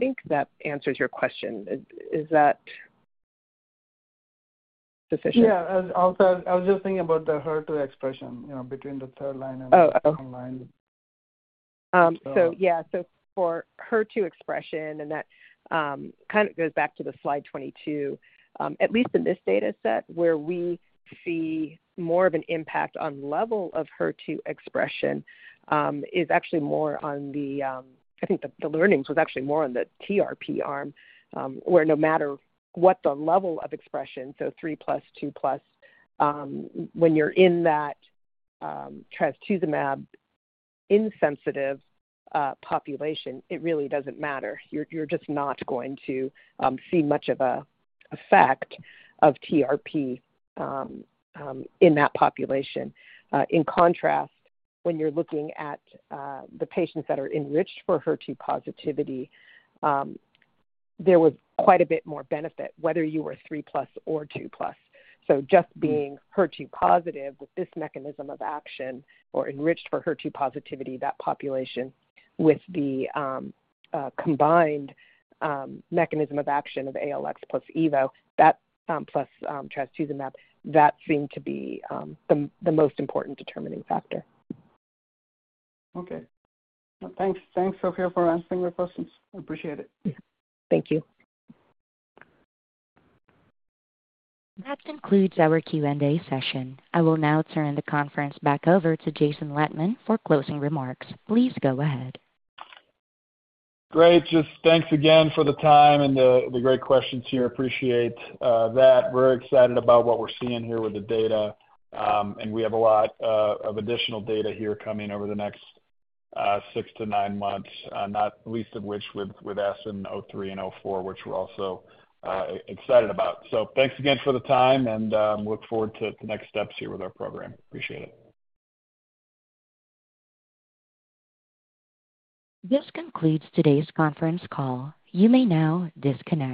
think that answers your question. Is that sufficient? Yeah. I was just thinking about the HER2 expression between the third line and the second line. Oh, okay. So yeah. So for HER2 expression, and that kind of goes back to the slide 22, at least in this data set, where we see more of an impact on level of HER2 expression is actually more on the—I think the learnings was actually more on the TRP arm, where no matter what the level of expression, so 3+ 2+, when you're in that trastuzumab insensitive population, it really doesn't matter. You're just not going to see much of an effect of TRP in that population. In contrast, when you're looking at the patients that are enriched for HER2 positivity, there was quite a bit more benefit, whether you were 3+ or 2+. So just being HER2 positive with this mechanism of action or enriched for HER2 positivity, that population with the combined mechanism of action of ALX plus Evo plus trastuzumab, that seemed to be the most important determining factor. Okay. Thanks, Sophia, for answering my questions. I appreciate it. Thank you. That concludes our Q&A session. I will now turn the conference back over to Jason Lettmann for closing remarks. Please go ahead. Great. Just thanks again for the time and the great questions here. Appreciate that. We're excited about what we're seeing here with the data. And we have a lot of additional data here coming over the next 6-9 months, not least of which with ASPEN-03 and ASPEN-04, which we're also excited about. So thanks again for the time, and look forward to the next steps here with our program. Appreciate it. This concludes today's conference call. You may now disconnect.